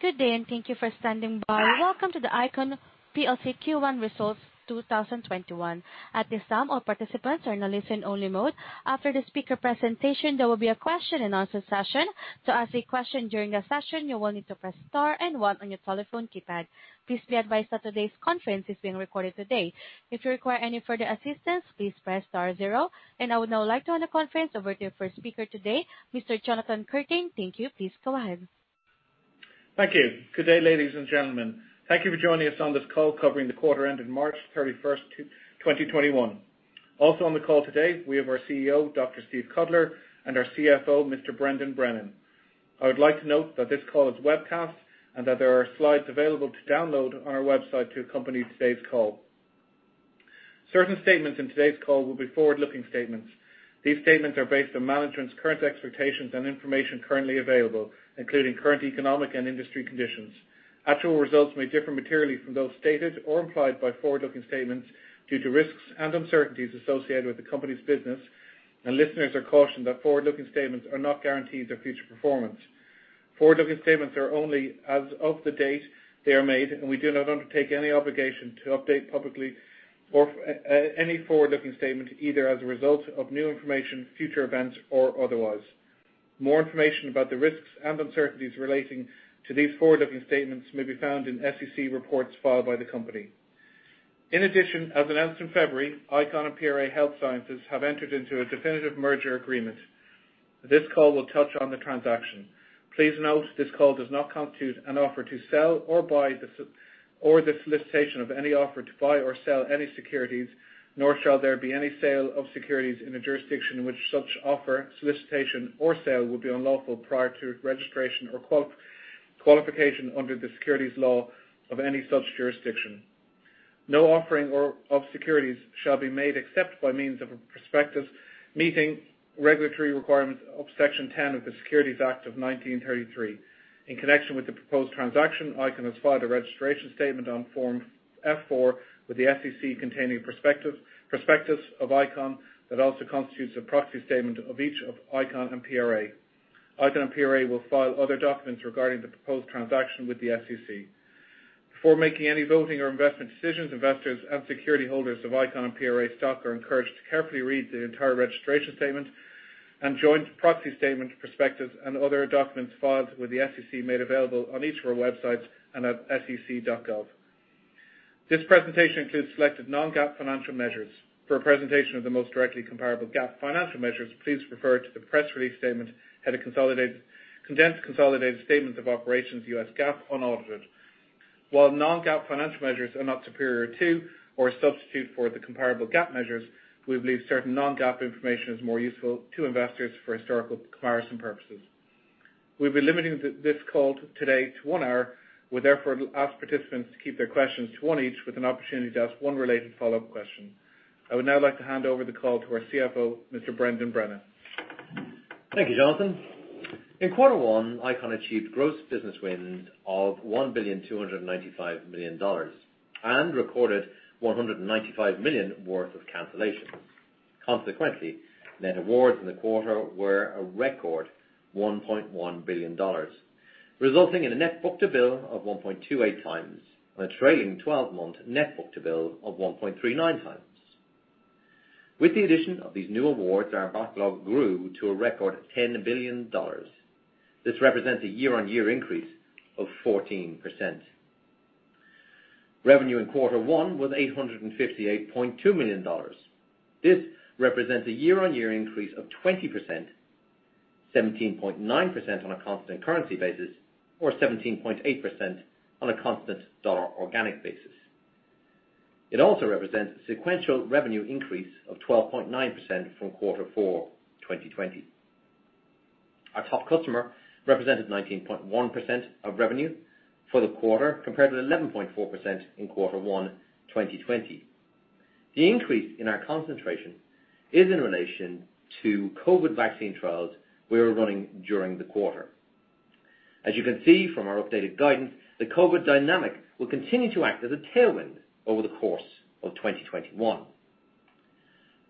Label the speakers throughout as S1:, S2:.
S1: Good day, and thank you for standing by. Welcome to the ICON plc Q1 Results 2021. At this time, all participants are in a listen-only mode. After the speaker presentation, there will be a question-and-answer session. To ask a question during the session, you will need to press star and one on your telephone keypad. Please be advised that today's conference is being recorded today. If you require any further assistance, please press star zero. I would now like to hand the conference over to our first speaker today, Mr. Jonathan Curtain. Thank you. Please go ahead.
S2: Thank you. Good day, ladies and gentlemen. Thank you for joining us on this call covering the quarter ending March 31st, 2021. Also on the call today, we have our CEO, Dr. Steve Cutler, and our CFO, Mr. Brendan Brennan. I would like to note that this call is webcast and that there are slides available to download on our website to accompany today's call. Certain statements in today's call will be forward-looking statements. These statements are based on management's current expectations and information currently available, including current economic and industry conditions. Actual results may differ materially from those stated or implied by forward-looking statements due to risks and uncertainties associated with the company's business, and listeners are cautioned that forward-looking statements are not guarantees of future performance. Forward-looking statements are only as of the date they are made, and we do not undertake any obligation to update publicly any forward-looking statement, either as a result of new information, future events, or otherwise. More information about the risks and uncertainties relating to these forward-looking statements may be found in SEC reports filed by the company. In addition, as announced in February, ICON and PRA Health Sciences have entered into a definitive merger agreement. This call will touch on the transaction. Please note this call does not constitute an offer to sell or buy, or the solicitation of any offer to buy or sell any securities, nor shall there be any sale of securities in a jurisdiction in which such offer, solicitation, or sale would be unlawful prior to registration or qualification under the securities law of any such jurisdiction. No offering of securities shall be made except by means of a prospectus meeting regulatory requirements of Section 10 of the Securities Act of 1933. In connection with the proposed transaction, ICON has filed a registration statement on Form F-4 with the SEC, containing a prospectus of ICON that also constitutes a proxy statement of each of ICON and PRA. ICON and PRA will file other documents regarding the proposed transaction with the SEC. Before making any voting or investment decisions, investors and security holders of ICON and PRA stock are encouraged to carefully read the entire registration statement and joint proxy statement prospectus and other documents filed with the SEC made available on each of our websites and at sec.gov. This presentation includes selected non-GAAP financial measures. For a presentation of the most directly comparable GAAP financial measures, please refer to the press release statement and the condensed consolidated statement of operations U.S. GAAP unaudited. While non-GAAP financial measures are not superior to or a substitute for the comparable GAAP measures, we believe certain non-GAAP information is more useful to investors for historical comparison purposes. We'll be limiting this call today to one hour. We therefore ask participants to keep their questions to one each with an opportunity to ask one related follow-up question. I would now like to hand over the call to our CFO, Mr. Brendan Brennan.
S3: Thank you, Jonathan. In quarter one, ICON achieved gross business wins of $1.295 billion and recorded $195 million worth of cancellations. Consequently, net awards in the quarter were a record $1.1 billion, resulting in a net book-to-bill of 1.28x on a trailing 12-month net book-to-bill of 1.39x. With the addition of these new awards, our backlog grew to a record $10 billion. This represents a year-on-year increase of 14%. Revenue in quarter one was $858.2 million. This represents a year-on-year increase of 20%, 17.9% on a constant currency basis or 17.8% on a constant dollar organic basis. It also represents a sequential revenue increase of 12.9% from quarter four 2020. Our top customer represented 19.1% of revenue for the quarter, compared to 11.4% in quarter one 2020. The increase in our concentration is in relation to COVID vaccine trials we were running during the quarter. As you can see from our updated guidance, the COVID dynamic will continue to act as a tailwind over the course of 2021.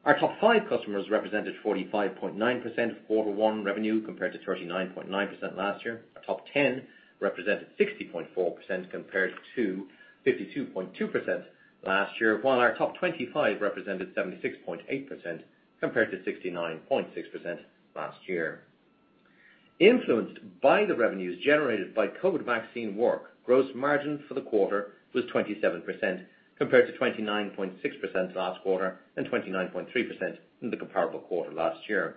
S3: Our top five customers represented 45.9% of quarter one revenue, compared to 39.9% last year. Our top 10 represented 60.4% compared to 52.2% last year. While our top 25 represented 76.8% compared to 69.6% last year. Influenced by the revenues generated by COVID vaccine work, gross margin for the quarter was 27%, compared to 29.6% last quarter and 29.3% in the comparable quarter last year.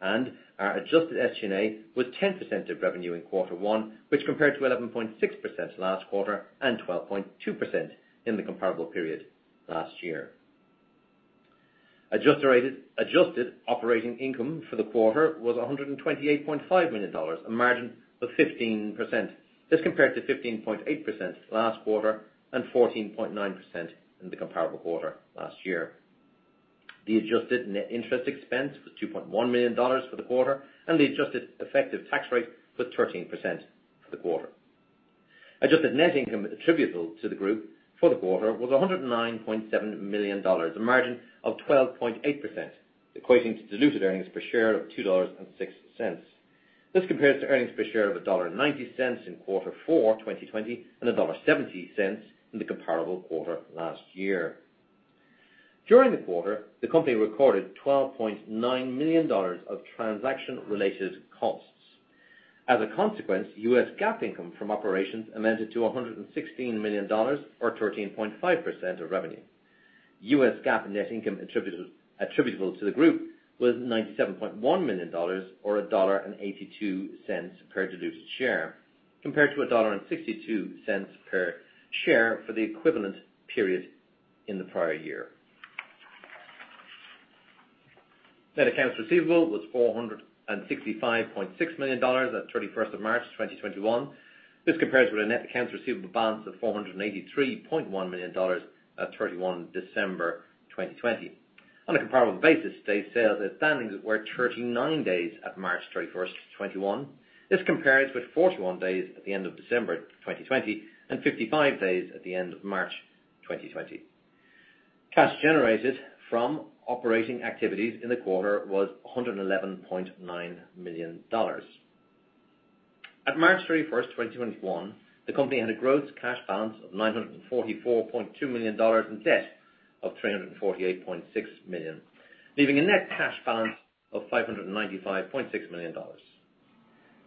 S3: Our adjusted SG&A was 10% of revenue in quarter one, which compared to 11.6% last quarter and 12.2% in the comparable period last year. Adjusted operating income for the quarter was $128.5 million, a margin of 15%. This compared to 15.8% last quarter and 14.9% in the comparable quarter last year. The adjusted net interest expense was $2.1 million for the quarter, and the adjusted effective tax rate was 13% for the quarter. Adjusted net income attributable to the group for the quarter was $109.7 million, a margin of 12.8%, equating to diluted earnings per share of $2.06. This compares to earnings per share of $1.90 in quarter four 2020 and $1.70 in the comparable quarter last year. During the quarter, the company recorded $12.9 million of transaction-related costs. As a consequence, U.S. GAAP income from operations amounted to $116 million or 13.5% of revenue. U.S. GAAP net income attributable to the group was $97.1 million or $1.82 per diluted share, compared to $1.62 per share for the equivalent period in the prior year. Net accounts receivable was $465.6 million at March 31st, 2021. This compares with a net accounts receivable balance of $483.1 million at December 31, 2020. On a comparable basis, day sales outstanding were 39 days at March 31st, 2021. This compares with 41 days at the end of December 2020 and 55 days at the end of March 2020. Cash generated from operating activities in the quarter was $111.9 million. At March 31st, 2021, the company had a gross cash balance of $944.2 million and debt of $348.6 million, leaving a net cash balance of $595.6 million.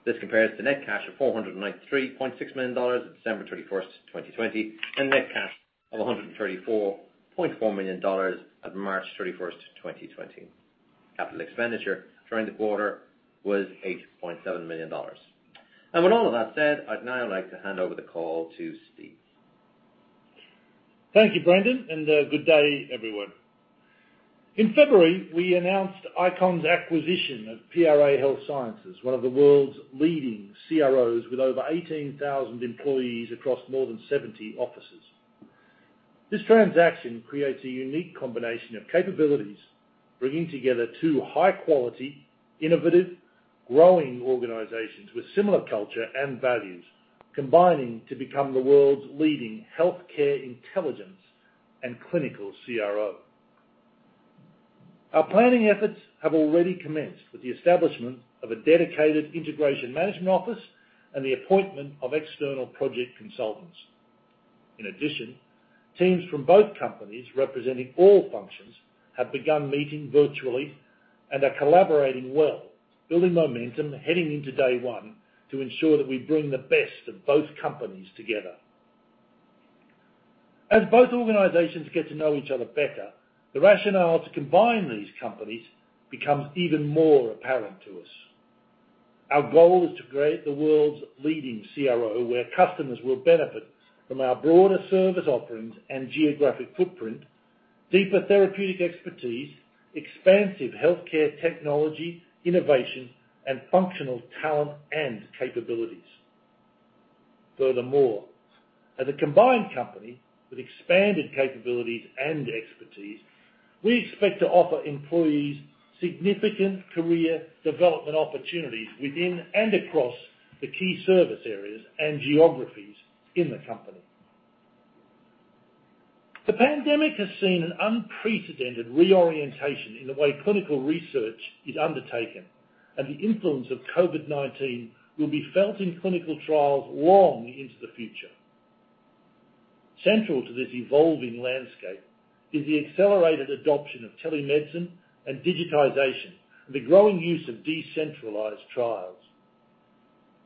S3: This compares to net cash of $493.6 million at December 31st, 2020 and net cash of $134.4 million at March 31st, 2020. Capital expenditure during the quarter was $8.7 million. With all of that said, I'd now like to hand over the call to Steve.
S4: Thank you, Brendan. Good day, everyone. In February, we announced ICON's acquisition of PRA Health Sciences, one of the world's leading CROs with over 18,000 employees across more than 70 offices. This transaction creates a unique combination of capabilities, bringing together two high-quality, innovative, growing organizations with similar culture and values, combining to become the world's leading healthcare intelligence and clinical CRO. Our planning efforts have already commenced with the establishment of a dedicated integration management office and the appointment of external project consultants. In addition, teams from both companies representing all functions have begun meeting virtually and are collaborating well, building momentum heading into day one to ensure that we bring the best of both companies together. As both organizations get to know each other better, the rationale to combine these companies becomes even more apparent to us. Our goal is to create the world's leading CRO, where customers will benefit from our broader service offerings and geographic footprint, deeper therapeutic expertise, expansive healthcare technology, innovation, and functional talent and capabilities. Furthermore, as a combined company with expanded capabilities and expertise, we expect to offer employees significant career development opportunities within and across the key service areas and geographies in the company. The pandemic has seen an unprecedented reorientation in the way clinical research is undertaken, and the influence of COVID-19 will be felt in clinical trials long into the future. Central to this evolving landscape is the accelerated adoption of telemedicine and digitization and the growing use of decentralized trials.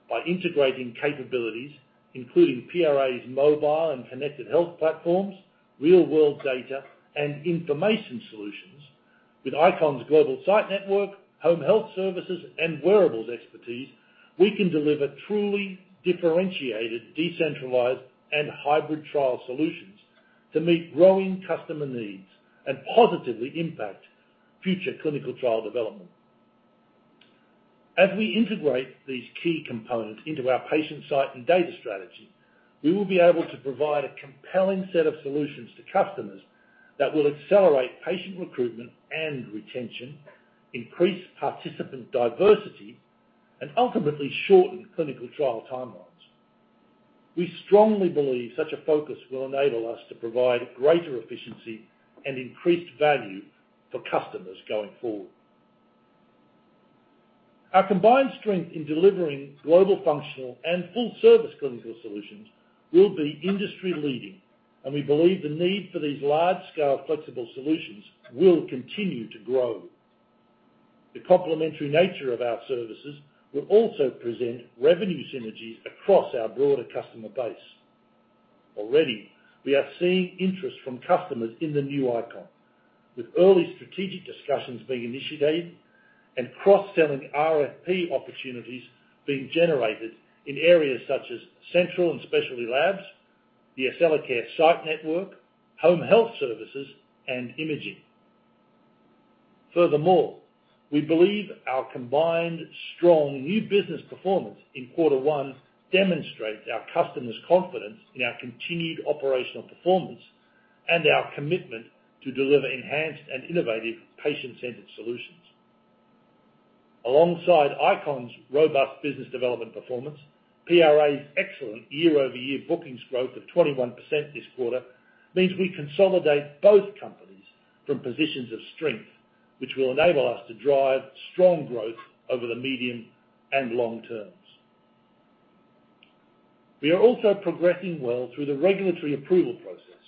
S4: By integrating capabilities, including PRA's mobile and connected health platforms, real-world data, and information solutions with ICON's global site network, home health services, and wearables expertise, we can deliver truly differentiated, decentralized, and hybrid trial solutions to meet growing customer needs and positively impact future clinical trial development. As we integrate these key components into our patient site and data strategy, we will be able to provide a compelling set of solutions to customers that will accelerate patient recruitment and retention, increase participant diversity, and ultimately shorten clinical trial timelines. We strongly believe such a focus will enable us to provide greater efficiency and increased value for customers going forward. Our combined strength in delivering global functional and full-service clinical solutions will be industry-leading, and we believe the need for these large-scale flexible solutions will continue to grow. The complementary nature of our services will also present revenue synergies across our broader customer base. Already, we are seeing interest from customers in the new ICON, with early strategic discussions being initiated and cross-selling RFP opportunities being generated in areas such as central and specialty labs, the Accellacare site network, home health services, and imaging. Furthermore, we believe our combined strong new business performance in quarter one demonstrates our customers' confidence in our continued operational performance and our commitment to deliver enhanced and innovative patient-centered solutions. Alongside ICON's robust business development performance, PRA's excellent year-over-year bookings growth of 21% this quarter means we consolidate both companies from positions of strength, which will enable us to drive strong growth over the medium and long terms. We are also progressing well through the regulatory approval process.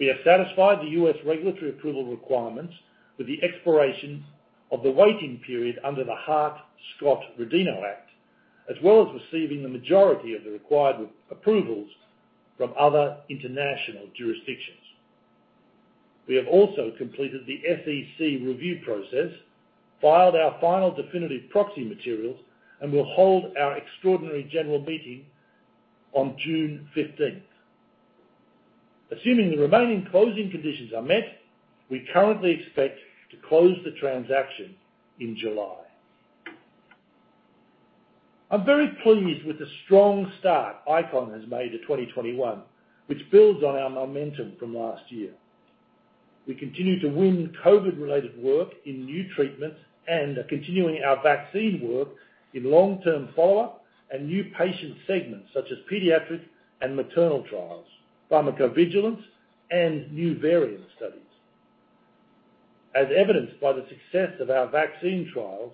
S4: We have satisfied the U.S. regulatory approval requirements with the expiration of the waiting period under the Hart-Scott-Rodino Act, as well as receiving the majority of the required approvals from other international jurisdictions. We have also completed the SEC review process, filed our final definitive proxy materials, and will hold our extraordinary general meeting on June 15th. Assuming the remaining closing conditions are met, we currently expect to close the transaction in July. I'm very pleased with the strong start ICON has made to 2021, which builds on our momentum from last year. We continue to win COVID-related work in new treatments and are continuing our vaccine work in long-term follow-up and new patient segments, such as pediatric and maternal trials, pharmacovigilance, and new variant studies. As evidenced by the success of our vaccine trials,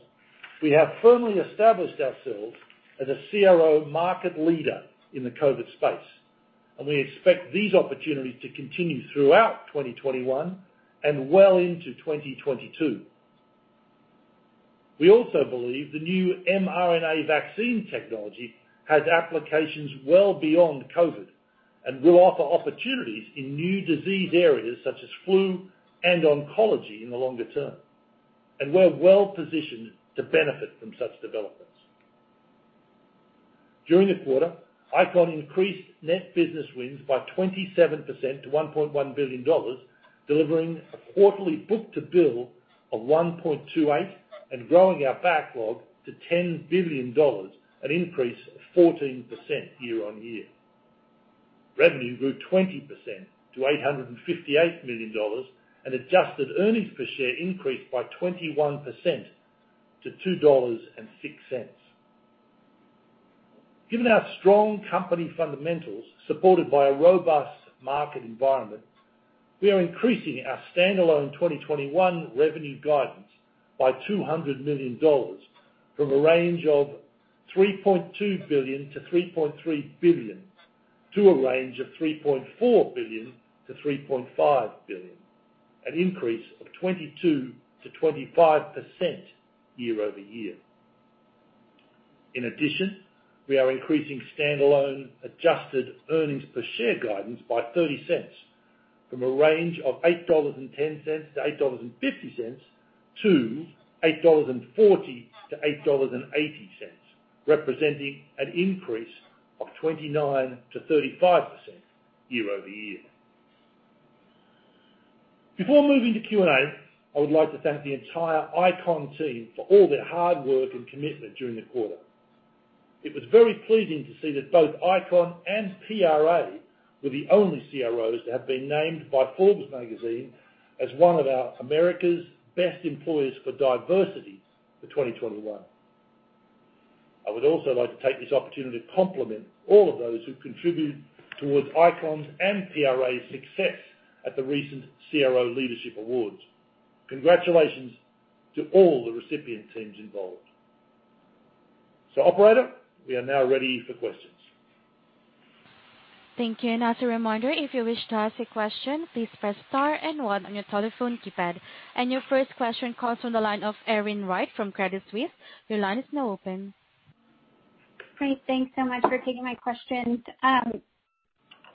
S4: we have firmly established ourselves as a CRO market leader in the COVID space, and we expect these opportunities to continue throughout 2021 and well into 2022. We also believe the new mRNA vaccine technology has applications well beyond COVID and will offer opportunities in new disease areas such as flu and oncology in the longer term, and we're well-positioned to benefit from such developments. During the quarter, ICON increased net business wins by 27% to $1.1 billion, delivering a quarterly book-to-bill of 1.28 and growing our backlog to $10 billion, an increase of 14% year-on-year. Revenue grew 20% to $858 million, and adjusted earnings per share increased by 21% to $2.06. Given our strong company fundamentals, supported by a robust market environment, we are increasing our standalone 2021 revenue guidance by $200 million from a range of $3.2 billion-$3.3 billion, to a range of $3.4 billion-$3.5 billion, an increase of 22%-25% year-over-year. In addition, we are increasing standalone adjusted earnings per share guidance by $0.30, from a range of $8.10-$8.50, to $8.40-$8.80, representing an increase of 29%-35% year-over-year. Before moving to Q&A, I would like to thank the entire ICON team for all their hard work and commitment during the quarter. It was very pleasing to see that both ICON and PRA were the only CROs to have been named by Forbes magazine as one of America's best employers for diversity for 2021. I would also like to take this opportunity to compliment all of those who contributed towards ICON's and PRA's success at the recent CRO Leadership Awards. Congratulations to all the recipient teams involved. Operator, we are now ready for questions.
S1: Thank you. As a reminder, if you wish to ask a question, please press star and one on your telephone keypad. Your first question comes from the line of Erin Wright from Credit Suisse. Your line is now open.
S5: Great. Thanks so much for taking my questions. I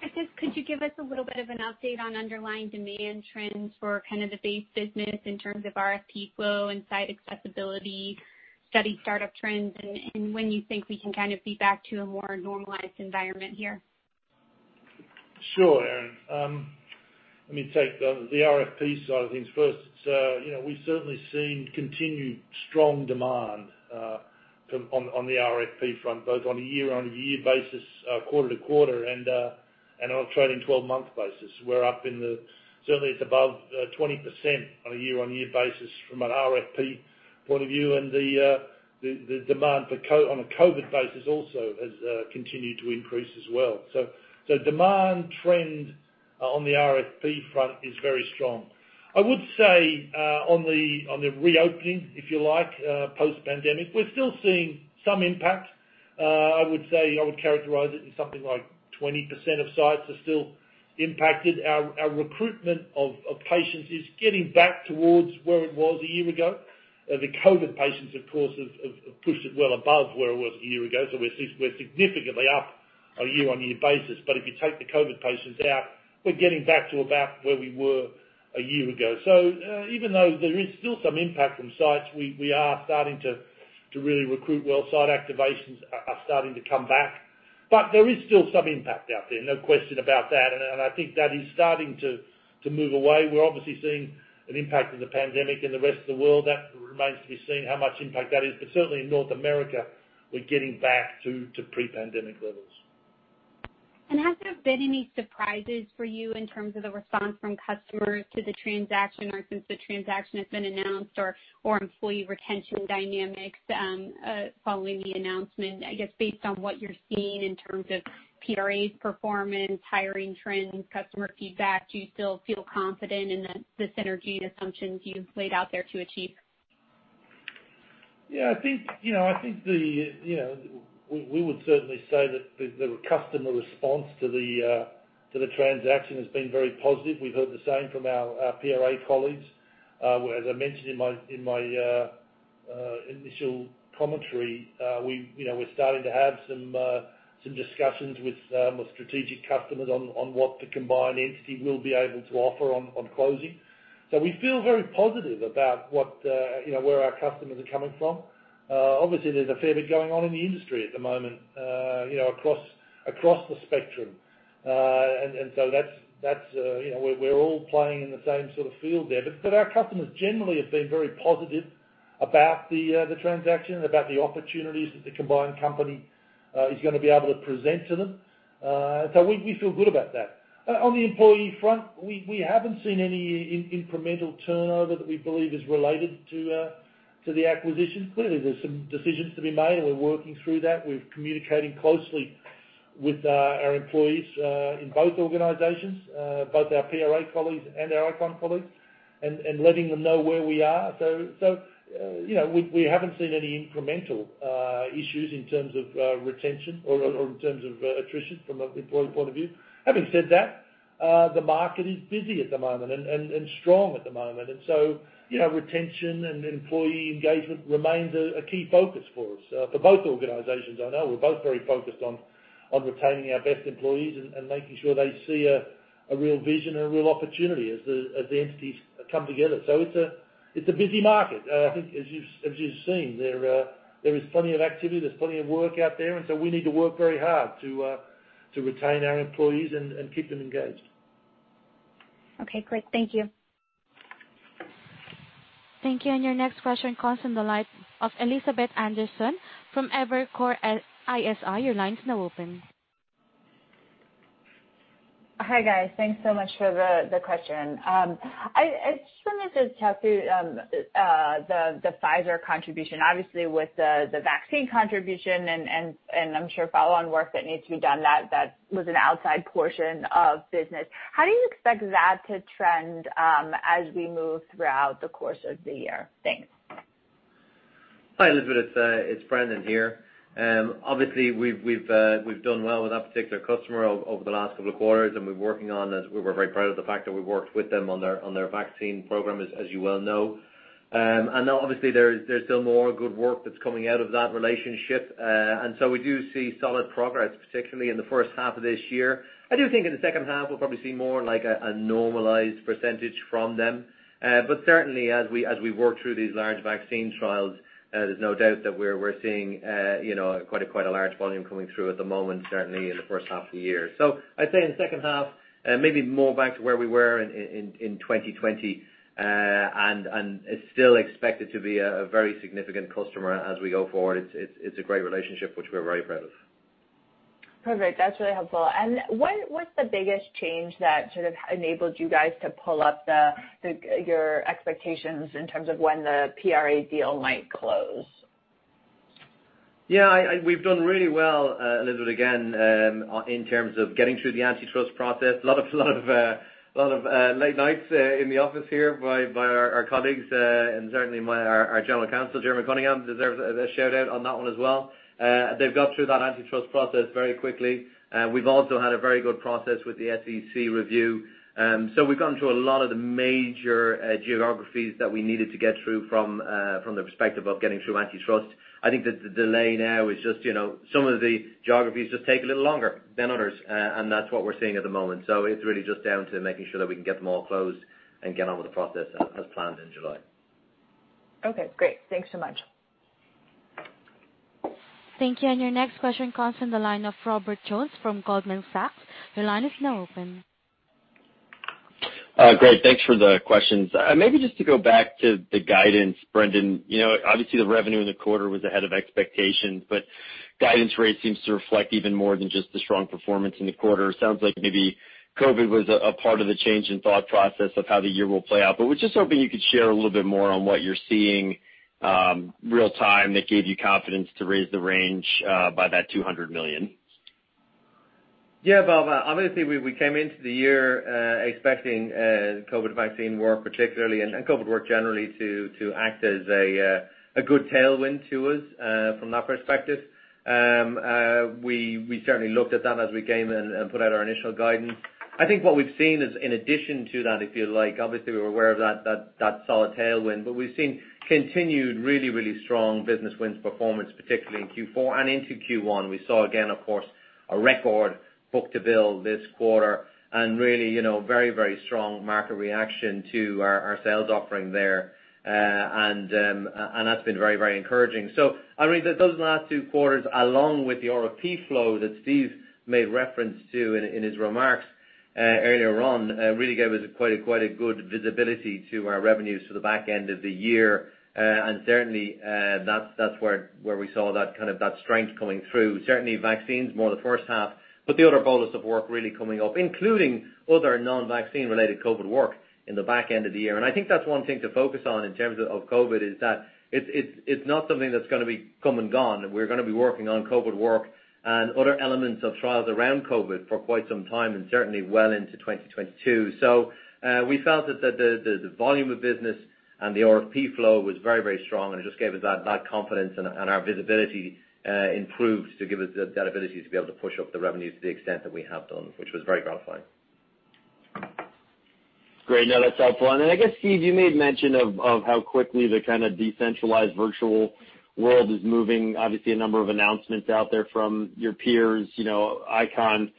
S5: guess, could you give us a little bit of an update on underlying demand trends for kind of the base business in terms of RFP flow and site accessibility, study startup trends, and when you think we can kind of be back to a more normalized environment here?
S4: Sure, Erin. Let me take the RFP side of things first. We've certainly seen continued strong demand on the RFP front, both on a year-on-year basis, quarter-to-quarter, and on a trailing 12-month basis. Certainly, it's above 20% on a year-on-year basis from an RFP point of view. The demand on a COVID basis also has continued to increase as well. Demand trend on the RFP front is very strong. I would say on the reopening, if you like, post-pandemic, we're still seeing some impact. I would say, I would characterize it in something like 20% of sites are still impacted. Our recruitment of patients is getting back towards where it was a year ago. The COVID patients, of course, have pushed it well above where it was a year ago. We're significantly up on a year-on-year basis. If you take the COVID patients out, we're getting back to about where we were a year ago. Even though there is still some impact from sites, we are starting to really recruit well. Site activations are starting to come back. There is still some impact out there, no question about that, and I think that is starting to move away. We're obviously seeing an impact of the pandemic in the rest of the world. That remains to be seen how much impact that is. Certainly in North America, we're getting back to pre-pandemic levels.
S5: Has there been any surprises for you in terms of the response from customers to the transaction or since the transaction has been announced or employee retention dynamics following the announcement? I guess based on what you're seeing in terms of PRA's performance, hiring trends, customer feedback, do you still feel confident in the synergy and assumptions you've laid out there to achieve?
S4: Yeah, I think we would certainly say that the customer response to the transaction has been very positive. We've heard the same from our PRA colleagues. As I mentioned in my initial commentary, we're starting to have some discussions with strategic customers on what the combined entity will be able to offer on closing. We feel very positive about where our customers are coming from. Obviously, there's a fair bit going on in the industry at the moment across the spectrum. We're all playing in the same sort of field there. Our customers generally have been very positive about the transaction, about the opportunities that the combined company is going to be able to present to them. We feel good about that. On the employee front, we haven't seen any incremental turnover that we believe is related to the acquisition. Clearly, there's some decisions to be made, and we're working through that. We're communicating closely with our employees in both organizations, both our PRA colleagues and our ICON colleagues, and letting them know where we are. We haven't seen any incremental issues in terms of retention or in terms of attrition from an employee point of view. Having said that, the market is busy at the moment and strong at the moment. Retention and employee engagement remains a key focus for us. For both organizations, I know we're both very focused on retaining our best employees and making sure they see a real vision and a real opportunity as the entities come together. It's a busy market. I think as you've seen, there is plenty of activity, there's plenty of work out there, and so we need to work very hard to retain our employees and keep them engaged.
S5: Okay, great. Thank you.
S1: Thank you. Your next question comes from the line of Elizabeth Anderson from Evercore ISI. Your line is now open.
S6: Hi, guys. Thanks so much for the question. I just wanted to chat through the Pfizer contribution, obviously with the vaccine contribution and I'm sure follow-on work that needs to be done that was an outside portion of business. How do you expect that to trend as we move throughout the course of the year? Thanks.
S3: Hi, Elizabeth, it's Brendan here. Obviously, we've done well with that particular customer over the last couple of quarters, and we're very proud of the fact that we worked with them on their vaccine program, as you well know. Obviously, there's still more good work that's coming out of that relationship. So we do see solid progress, particularly in the first half of this year. I do think in the second half, we'll probably see more like a normalized percentage from them. Certainly, as we work through these large vaccine trials, there's no doubt that we're seeing quite a large volume coming through at the moment, certainly in the first half of the year. I'd say in the second half, maybe more back to where we were in 2020, and it's still expected to be a very significant customer as we go forward. It's a great relationship, which we're very proud of.
S6: Perfect. That's really helpful. What's the biggest change that sort of enabled you guys to pull up your expectations in terms of when the PRA deal might close?
S3: Yeah, we've done really well, Elizabeth, again, in terms of getting through the antitrust process. A lot of late nights in the office here by our colleagues and certainly our General Counsel, Jeremy Cunningham, deserves a shout-out on that one as well. They've got through that antitrust process very quickly. We've also had a very good process with the SEC review. We've gotten through a lot of the major geographies that we needed to get through from the perspective of getting through antitrust. I think that the delay now is just some of the geographies just take a little longer than others, and that's what we're seeing at the moment. It's really just down to making sure that we can get them all closed and get on with the process as planned in July.
S6: Okay, great. Thanks so much.
S1: Thank you. Your next question comes from the line of Robert Jones from Goldman Sachs. Your line is now open.
S7: Great. Thanks for the questions. Maybe just to go back to the guidance, Brendan. The revenue in the quarter was ahead of expectations, guidance rate seems to reflect even more than just the strong performance in the quarter. It sounds like maybe COVID was a part of the change in thought process of how the year will play out. Was just hoping you could share a little bit more on what you're seeing real-time that gave you confidence to raise the range by that $200 million.
S3: Yeah, Bob, obviously, we came into the year expecting COVID vaccine work particularly and COVID work generally to act as a good tailwind to us from that perspective. We certainly looked at that as we came and put out our initial guidance. I think what we've seen is in addition to that, if you like, obviously we were aware of that solid tailwind. We've seen continued really strong business wins performance, particularly in Q4 and into Q1. We saw again, of course, a record book-to-bill this quarter and really very strong market reaction to our sales offering there. That's been very encouraging. I think that those last two quarters, along with the RFP flow that Steve made reference to in his remarks earlier on, really gave us quite a good visibility to our revenues for the back end of the year. Certainly, that's where we saw that strength coming through. Certainly vaccines more the first half, but the other bolus of work really coming up, including other non-vaccine related COVID work in the back end of the year. I think that's one thing to focus on in terms of COVID, is that it's not something that's going to be come and gone. We're going to be working on COVID work and other elements of trials around COVID for quite some time, and certainly well into 2022. We felt that the volume of business and the RFP flow was very strong, and it just gave us that confidence and our visibility improved to give us that ability to be able to push up the revenues to the extent that we have done, which was very gratifying.
S7: Great. No, that's helpful. Then I guess, Steve, you made mention of how quickly the kind of decentralized virtual world is moving. Obviously, a number of announcements out there from your peers. ICON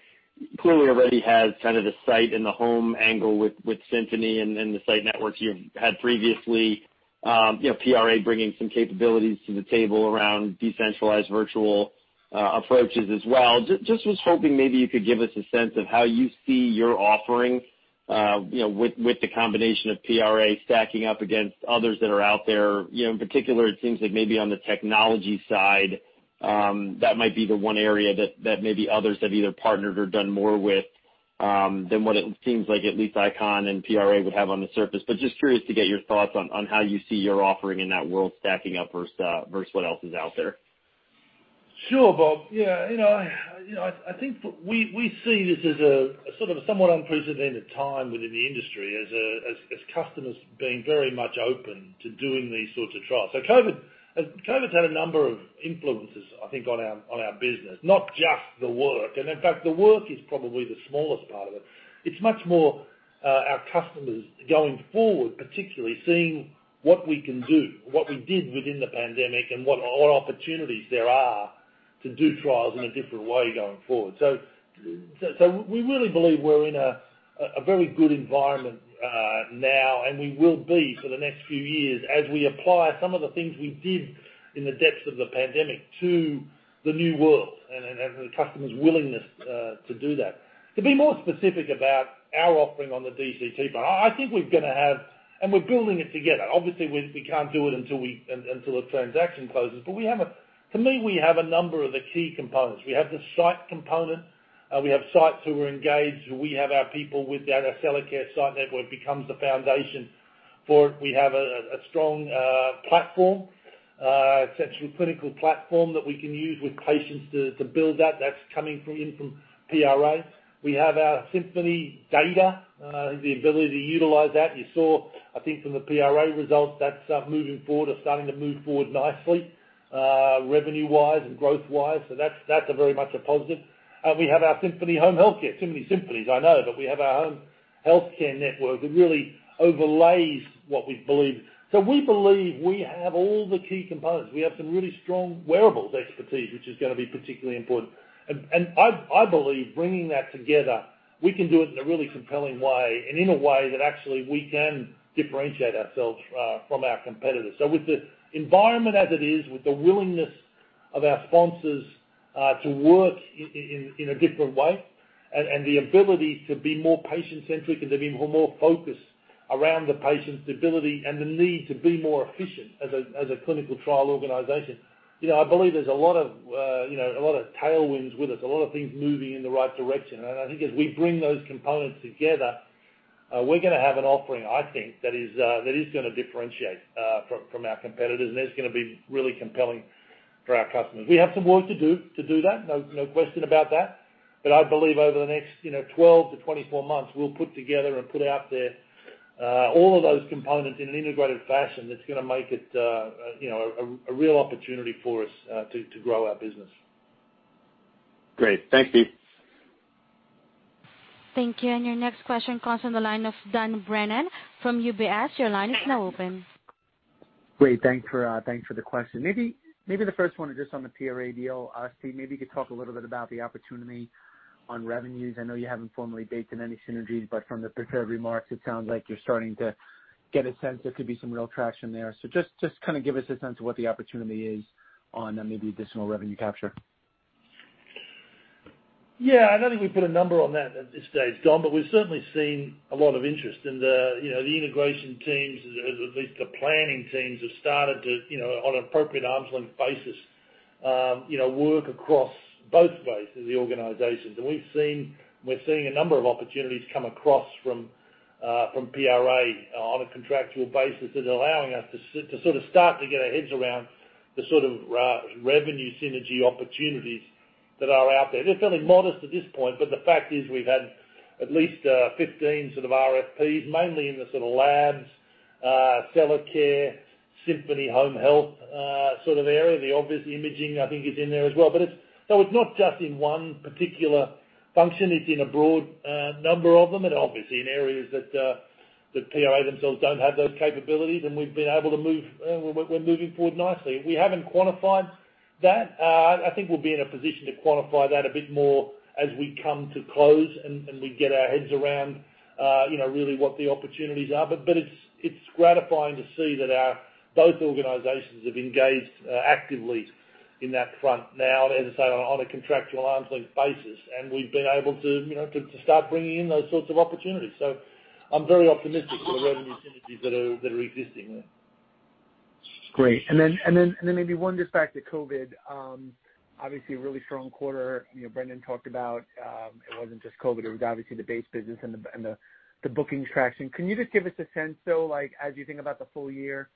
S7: clearly already has kind of the site and the home angle with Symphony and the site networks you've had previously. PRA bringing some capabilities to the table around decentralized virtual approaches as well. Was hoping maybe you could give us a sense of how you see your offering, with the combination of PRA stacking up against others that are out there. In particular, it seems like maybe on the technology side, that might be the one area that maybe others have either partnered or done more with, than what it seems like at least ICON and PRA would have on the surface. Just curious to get your thoughts on how you see your offering in that world stacking up versus what else is out there?
S4: Sure. Bob. Yeah. I think we see this as a sort of somewhat unprecedented time within the industry as customers being very much open to doing these sorts of trials. COVID's had a number of influences, I think, on our business, not just the work. In fact, the work is probably the smallest part of it. It's much more our customers going forward, particularly seeing what we can do, what we did within the pandemic, and what opportunities there are to do trials in a different way going forward. We really believe we're in a very good environment now, and we will be for the next few years, as we apply some of the things we did in the depths of the pandemic to the new world and the customers' willingness to do that. To be more specific about our offering on the DCT front, I think we're going to have and we're building it together. Obviously, we can't do it until the transaction closes. To me, we have a number of the key components. We have the site component. We have sites who are engaged, who we have our people with our Accellacare site network becomes the foundation for it. We have a strong platform, essential clinical platform that we can use with patients to build that. That's coming in from PRA. We have our Symphony data, the ability to utilize that. You saw, I think, from the PRA results, that's moving forward or starting to move forward nicely, revenue wise and growth wise. That's a very much a positive. We have our Symphony Home Healthcare. Too many Symphonies, I know, but we have our home health care network that really overlays what we believe. We believe we have all the key components. We have some really strong wearables expertise, which is going to be particularly important. I believe bringing that together, we can do it in a really compelling way and in a way that actually we can differentiate ourselves from our competitors. With the environment as it is, with the willingness of our sponsors to work in a different way and the ability to be more patient-centric and to be more focused around the patient's ability and the need to be more efficient as a clinical trial organization. I believe there's a lot of tailwinds with us, a lot of things moving in the right direction. I think as we bring those components together, we're going to have an offering, I think, that is going to differentiate from our competitors, and that's going to be really compelling for our customers. We have some work to do that, no question about that. I believe over the next 12-24 months, we'll put together and put out there all of those components in an integrated fashion that's going to make it a real opportunity for us to grow our business.
S7: Great. Thanks, Steve.
S1: Thank you. Your next question comes from the line of Dan Brennan from UBS.
S8: Great. Thanks for the question. Maybe the first one is just on the PRA deal. Steve, maybe you could talk a little bit about the opportunity on revenues. I know you haven't formally baked in any synergies, but from the prepared remarks, it sounds like you're starting to get a sense there could be some real traction there. Just kind of give us a sense of what the opportunity is on maybe additional revenue capture.
S4: Yeah. I don't think we've put a number on that at this stage, Dan, but we've certainly seen a lot of interest. The integration teams, or at least the planning teams, have started to, on an appropriate arm's length basis, work across both bases of the organizations. We're seeing a number of opportunities come across from PRA on a contractual basis that are allowing us to sort of start to get our heads around the sort of revenue synergy opportunities that are out there. They're fairly modest at this point, but the fact is we've had at least 15 sort of RFPs, mainly in the sort of labs, Accellacare, Symphony Home Health, sort of area. The obvious imaging, I think is in there as well. It's not just in one particular function. It's in a broad number of them, and obviously in areas that PRA themselves don't have those capabilities, and we're moving forward nicely. We haven't quantified that. I think we'll be in a position to quantify that a bit more as we come to close and we get our heads around really what the opportunities are. It's gratifying to see that both organizations have engaged actively in that front now, as I say, on a contractual arm's length basis, and we've been able to start bringing in those sorts of opportunities. I'm very optimistic of the revenue synergies that are existing there.
S8: Great. Maybe one just back to COVID. Obviously, a really strong quarter. Brendan talked about it wasn't just COVID, it was obviously the base business and the booking traction. Can you just give us a sense, though, as you think about the full year?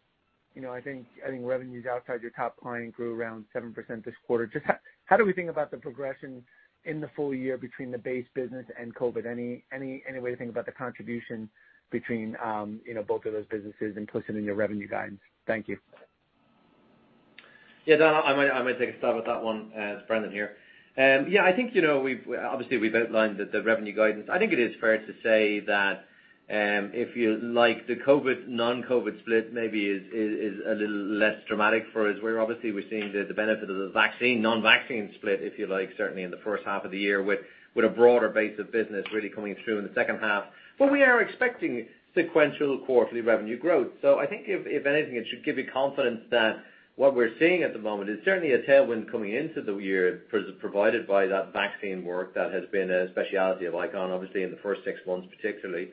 S8: I think revenues outside your top client grew around 7% this quarter. Just how do we think about the progression in the full year between the base business and COVID? Any way to think about the contribution between both of those businesses implicit in your revenue guidance? Thank you.
S3: Yeah. Dan, I might take a stab at that one. It's Brendan here. Yeah, I think, obviously, we've outlined the revenue guidance. I think it is fair to say that if you like, the COVID, non-COVID split maybe is a little less dramatic for us where obviously we're seeing the benefit of the vaccine, non-vaccine split, if you like, certainly in the first half of the year with a broader base of business really coming through in the second half. We are expecting sequential quarterly revenue growth. I think if anything, it should give you confidence that what we're seeing at the moment is certainly a tailwind coming into the year provided by that vaccine work that has been a specialty of ICON, obviously in the first six months particularly.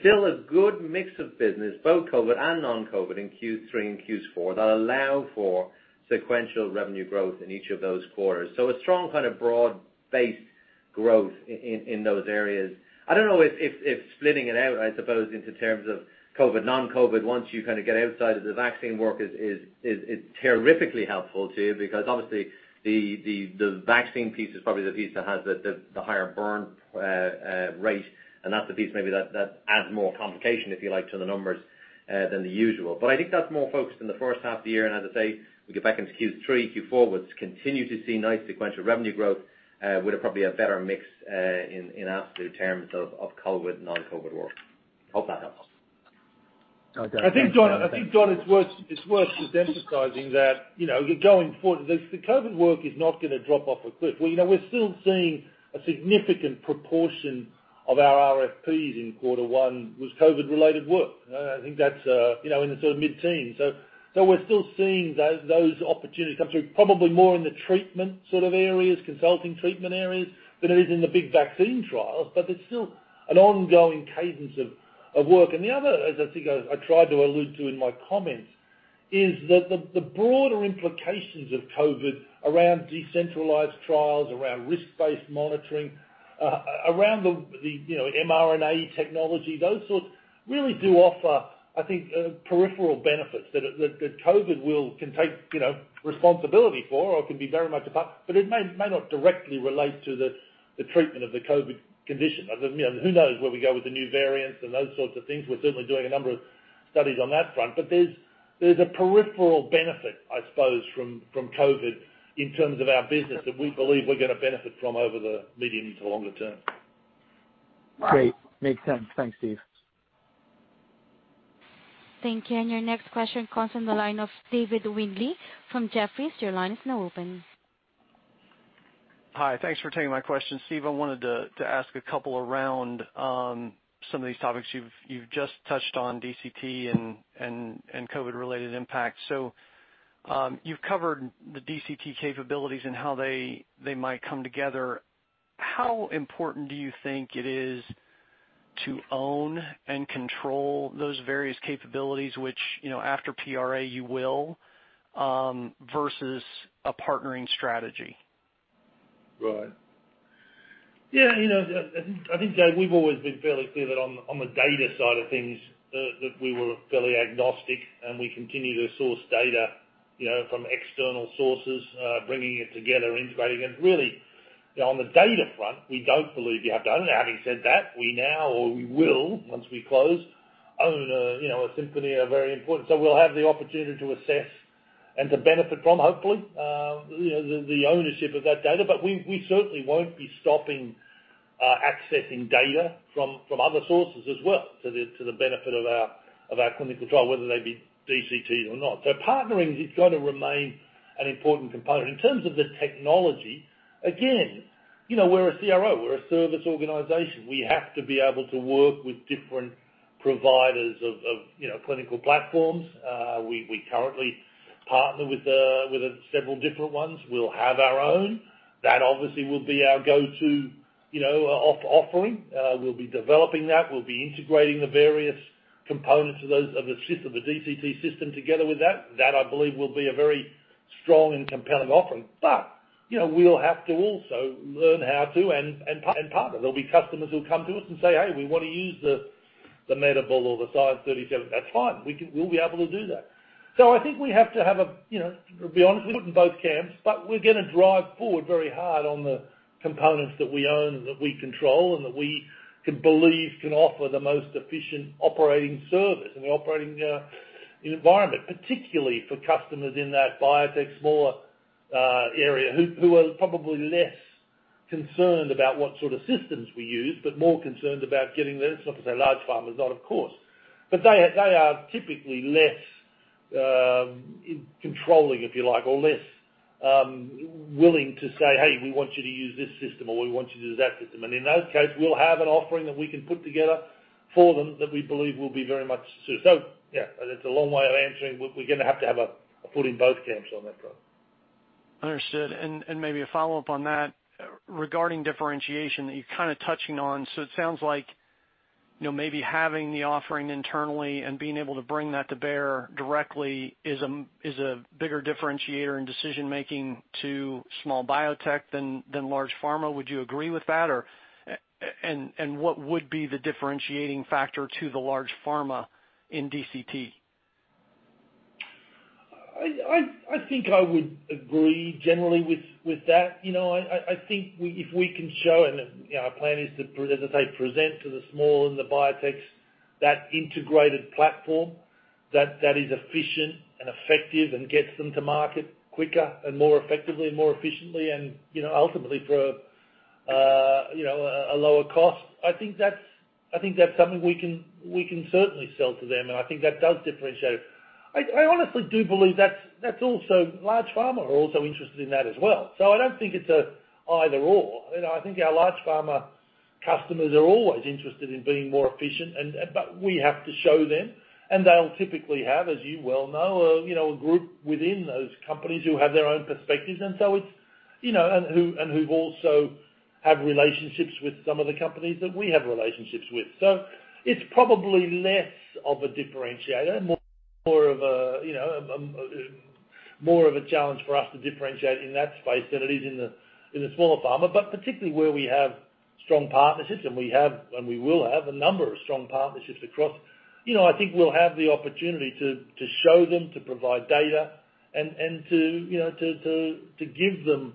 S3: Still a good mix of business, both COVID and non-COVID in Q3 and Q4, that allow for sequential revenue growth in each of those quarters. A strong kind of broad-based growth in those areas. I don't know if splitting it out, I suppose, into terms of COVID, non-COVID, once you kind of get outside of the vaccine work is terrifically helpful to you because obviously the vaccine piece is probably the piece that has the higher burn rate, and that's the piece maybe that adds more complication, if you like, to the numbers than the usual. I think that's more focused in the first half of the year. As I say, we get back into Q3, Q4, we'll continue to see nice sequential revenue growth with probably a better mix in absolute terms of COVID, non-COVID work. Hope that helps.
S8: Okay. Thanks.
S4: I think, Dan, it's worth just emphasizing that going forward, the COVID work is not going to drop off a cliff. We're still seeing a significant proportion of our RFPs in quarter 1 was COVID-related work. I think that's in the sort of mid-teens. We're still seeing those opportunities come through, probably more in the treatment sort of areas, consulting treatment areas, than it is in the big vaccine trials. There's still an ongoing cadence of work. The other, as I think I tried to allude to in my comments, is that the broader implications of COVID around decentralized trials, around risk-based monitoring, around the mRNA technology, those sorts really do offer, I think, peripheral benefits that COVID can take responsibility for or can be very much a part. It may not directly relate to the treatment of the COVID condition. Who knows where we go with the new variants and those sorts of things. We're certainly doing a number of studies on that front. There's a peripheral benefit, I suppose from COVID in terms of our business that we believe we're going to benefit from over the medium to longer term.
S8: Great. Makes sense. Thanks, Steve.
S1: Thank you. Your next question comes from the line of David Windley from Jefferies. Your line is now open.
S9: Hi. Thanks for taking my question. Steve, I wanted to ask a couple around some of these topics you've just touched on DCT and COVID-related impact. You've covered the DCT capabilities and how they might come together. How important do you think it is to own and control those various capabilities, which after PRA you will, versus a partnering strategy?
S4: Right. Yeah. I think, David, we've always been fairly clear that on the data side of things, that we were fairly agnostic and we continue to source data from external sources, bringing it together, integrating it. Really, on the data front, we don't believe you have to own it. Having said that, we now or we will, once we close, own a Symphony Health. We'll have the opportunity to assess and to benefit from, hopefully, the ownership of that data. We certainly won't be stopping accessing data from other sources as well to the benefit of our clinical trial, whether they be DCT or not. Partnering is going to remain an important component. In terms of the technology, again, we're a CRO, we're a service organization. We have to be able to work with different providers of clinical platforms. We currently partner with several different ones. We'll have our own. That obviously will be our go-to offering. We'll be developing that. We'll be integrating the various components of the DCT system together with that. That, I believe will be a very strong and compelling offering. We'll have to also learn how to and partner. There'll be customers who'll come to us and say, "Hey, we want to use the Medable or the Science 37." That's fine. We'll be able to do that. I think we have to have, to be honest, foot in both camps, but we're going to drive forward very hard on the components that we own and that we control and that we believe can offer the most efficient operating service in the operating environment, particularly for customers in that biotech, smaller area who are probably less concerned about what sort of systems we use, but more concerned about getting the. It's not to say large pharma is not, of course. They are typically less controlling, if you like, or less willing to say, "Hey, we want you to use this system," or, "We want you to use that system." In those cases, we'll have an offering that we can put together for them that we believe will be very much soon. That's a long way of answering. We're going to have to have a foot in both camps on that front.
S9: Understood. Maybe a follow-up on that regarding differentiation that you're kind of touching on. It sounds like maybe having the offering internally and being able to bring that to bear directly is a bigger differentiator in decision-making to small biotech than large pharma. Would you agree with that? What would be the differentiating factor to the large pharma in DCT?
S4: I think I would agree generally with that. I think if we can show, and our plan is to, as I say, present to the small and the biotechs that integrated platform that is efficient and effective and gets them to market quicker and more effectively and more efficiently and ultimately for a lower cost. I think that's something we can certainly sell to them. I think that does differentiate. I honestly do believe that's also large pharma are also interested in that as well. I don't think it's an either/or. I think our large pharma customers are always interested in being more efficient, but we have to show them, and they'll typically have, as you well know, a group within those companies who have their own perspectives and who also have relationships with some of the companies that we have relationships with. It's probably less of a differentiator and more of a challenge for us to differentiate in that space than it is in the smaller pharma. Particularly where we will have a number of strong partnerships across. I think we'll have the opportunity to show them, to provide data, and to give them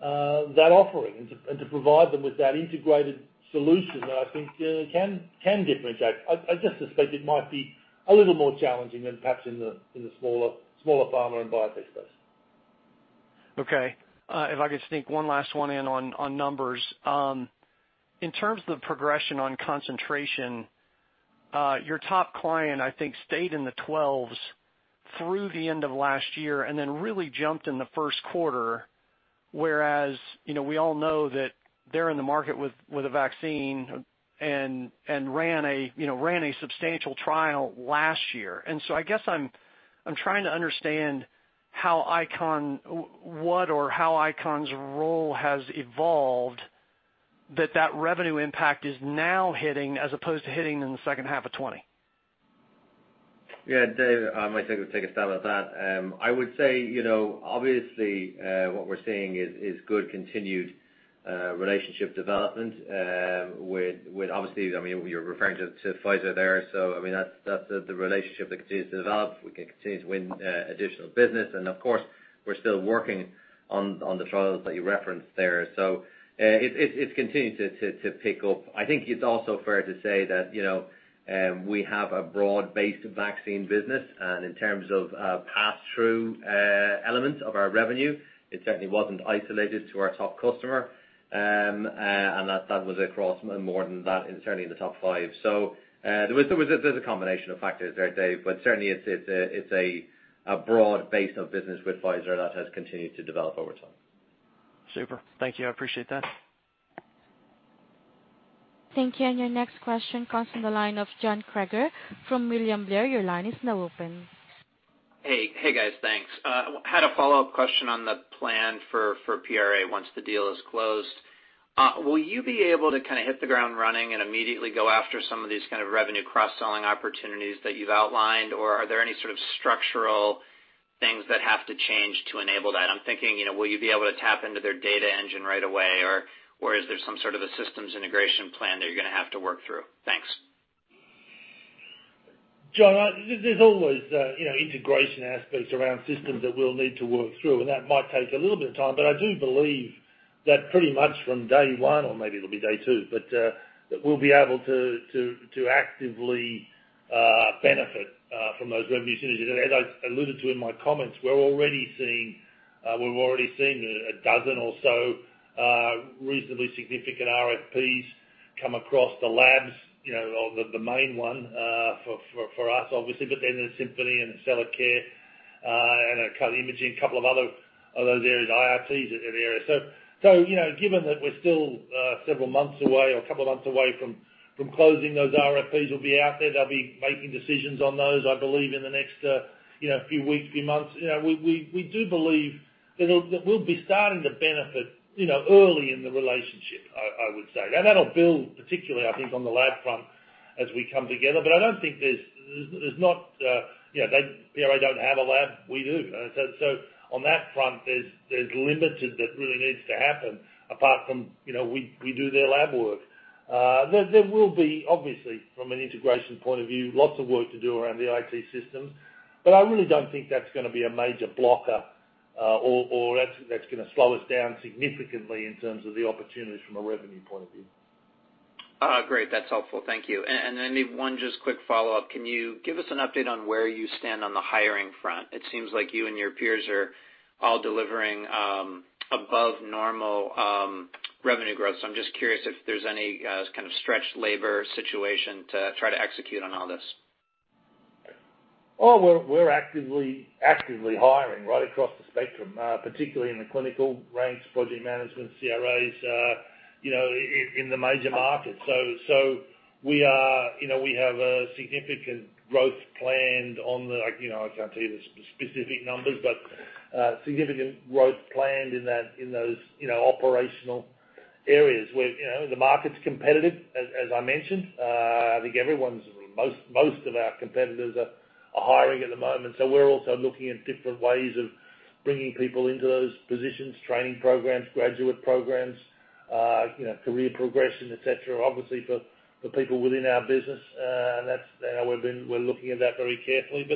S4: that offering and to provide them with that integrated solution that I think can differentiate. I just suspect it might be a little more challenging than perhaps in the smaller pharma and biotech space.
S9: Okay. If I could sneak one last one in on numbers. In terms of the progression on concentration, your top client, I think, stayed in the 12s through the end of last year and then really jumped in the first quarter. We all know that they're in the market with a vaccine and ran a substantial trial last year. I guess I'm trying to understand what or how ICON's role has evolved that revenue impact is now hitting as opposed to hitting in the second half of 2020.
S3: Yeah, Dave, I might take a stab at that. I would say, obviously, what we're seeing is good continued relationship development with obviously, you're referring to Pfizer there. That's the relationship that continues to develop. We can continue to win additional business. Of course, we're still working on the trials that you referenced there. It's continuing to pick up. I think it's also fair to say that we have a broad-based vaccine business. In terms of pass-through elements of our revenue, it certainly wasn't isolated to our top customer. That was across more than that, and certainly in the top five. There's a combination of factors there, Dave, but certainly it's a broad base of business with Pfizer that has continued to develop over time.
S9: Super. Thank you. I appreciate that.
S1: Thank you. Your next question comes from the line of John Kreger from William Blair. Your line is now open.
S10: Hey, guys. Thanks. Had a follow-up question on the plan for PRA once the deal is closed. Will you be able to kind of hit the ground running and immediately go after some of these kind of revenue cross-selling opportunities that you've outlined, or are there any sort of structural things that have to change to enable that? I'm thinking, will you be able to tap into their data engine right away, or is there some sort of a systems integration plan that you're going to have to work through? Thanks.
S4: John, there's always integration aspects around systems that we'll need to work through, and that might take a little bit of time. I do believe that pretty much from day one, or maybe it'll be day two, but that we'll be able to actively benefit from those revenue synergies. As I alluded to in my comments, we're already seeing a dozen or so reasonably significant RFPs come across the labs, the main one for us, obviously, but then in Symphony and Accellacare and imaging, a couple of other of those areas, IRTs area. Given that we're still several months away or a couple of months away from closing, those RFPs will be out there. They'll be making decisions on those, I believe, in the next few weeks, few months. We do believe that we'll be starting to benefit early in the relationship, I would say. That'll build particularly, I think, on the lab front as we come together. PRA don't have a lab, we do. So on that front, there's limited that really needs to happen apart from we do their lab work. There will be, obviously, from an integration point of view, lots of work to do around the IT systems. I really don't think that's going to be a major blocker, or that's going to slow us down significantly in terms of the opportunities from a revenue point of view.
S10: Great. That's helpful. Thank you. I need one just quick follow-up. Can you give us an update on where you stand on the hiring front? It seems like you and your peers are all delivering above normal revenue growth. I'm just curious if there's any kind of stretched labor situation to try to execute on all this.
S4: We're actively hiring right across the spectrum, particularly in the clinical ranks, project management, CRAs, in the major markets. We have a significant growth planned, I can't tell you the specific numbers, but significant growth planned in those operational areas where the market's competitive, as I mentioned. I think most of our competitors are hiring at the moment. We're also looking at different ways of bringing people into those positions, training programs, graduate programs, career progression, et cetera, obviously, for people within our business. We're looking at that very carefully.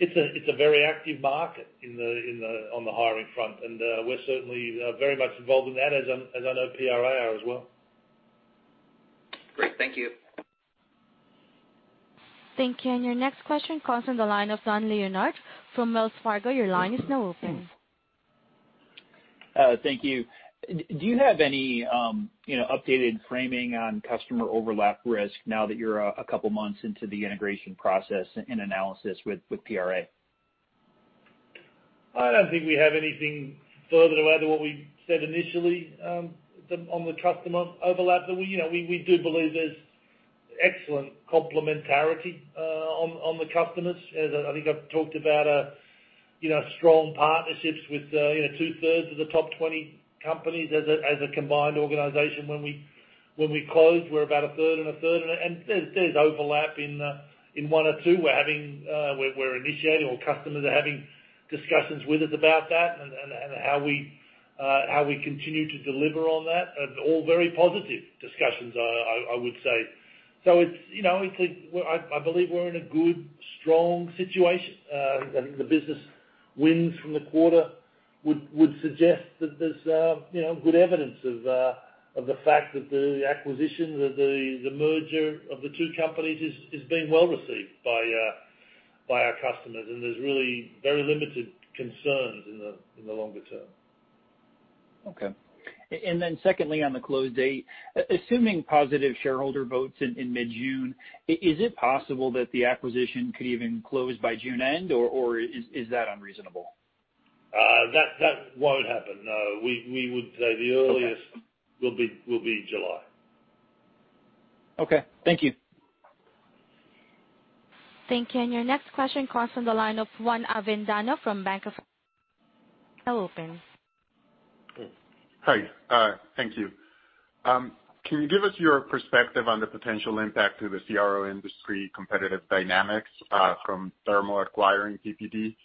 S4: It's a very active market on the hiring front, and we're certainly very much involved in that, as I know PRA are as well.
S10: Great. Thank you.
S1: Thank you. Your next question comes from the line of Dan Leonard from Wells Fargo. Your line is now open.
S11: Thank you. Do you have any updated framing on customer overlap risk now that you're a couple of months into the integration process and analysis with PRA?
S4: I don't think we have anything further to add to what we said initially on the customer overlap. We do believe there's excellent complementarity on the customers. As I think I've talked about strong partnerships with two-thirds of the top 20 companies as a combined organization. When we closed, we're about a third and a third. There's overlap in one or two. We're initiating or customers are having discussions with us about that and how we continue to deliver on that. All very positive discussions, I would say. I believe we're in a good, strong situation. I think the business wins from the quarter would suggest that there's good evidence of the fact that the acquisition, the merger of the two companies is being well received by our customers, and there's really very limited concerns in the longer term.
S11: Okay. Secondly, on the close date, assuming positive shareholder votes in mid-June, is it possible that the acquisition could even close by June end, or is that unreasonable?
S4: That won't happen. No. We would say the earliest-
S11: Okay.
S4: will be July.
S11: Okay. Thank you.
S1: Thank you. Your next question comes from the line of Juan Avendano from Bank of America.
S12: Hi. Thank you. Can you give us your perspective on the potential impact to the CRO industry competitive dynamics from Thermo acquiring PPD?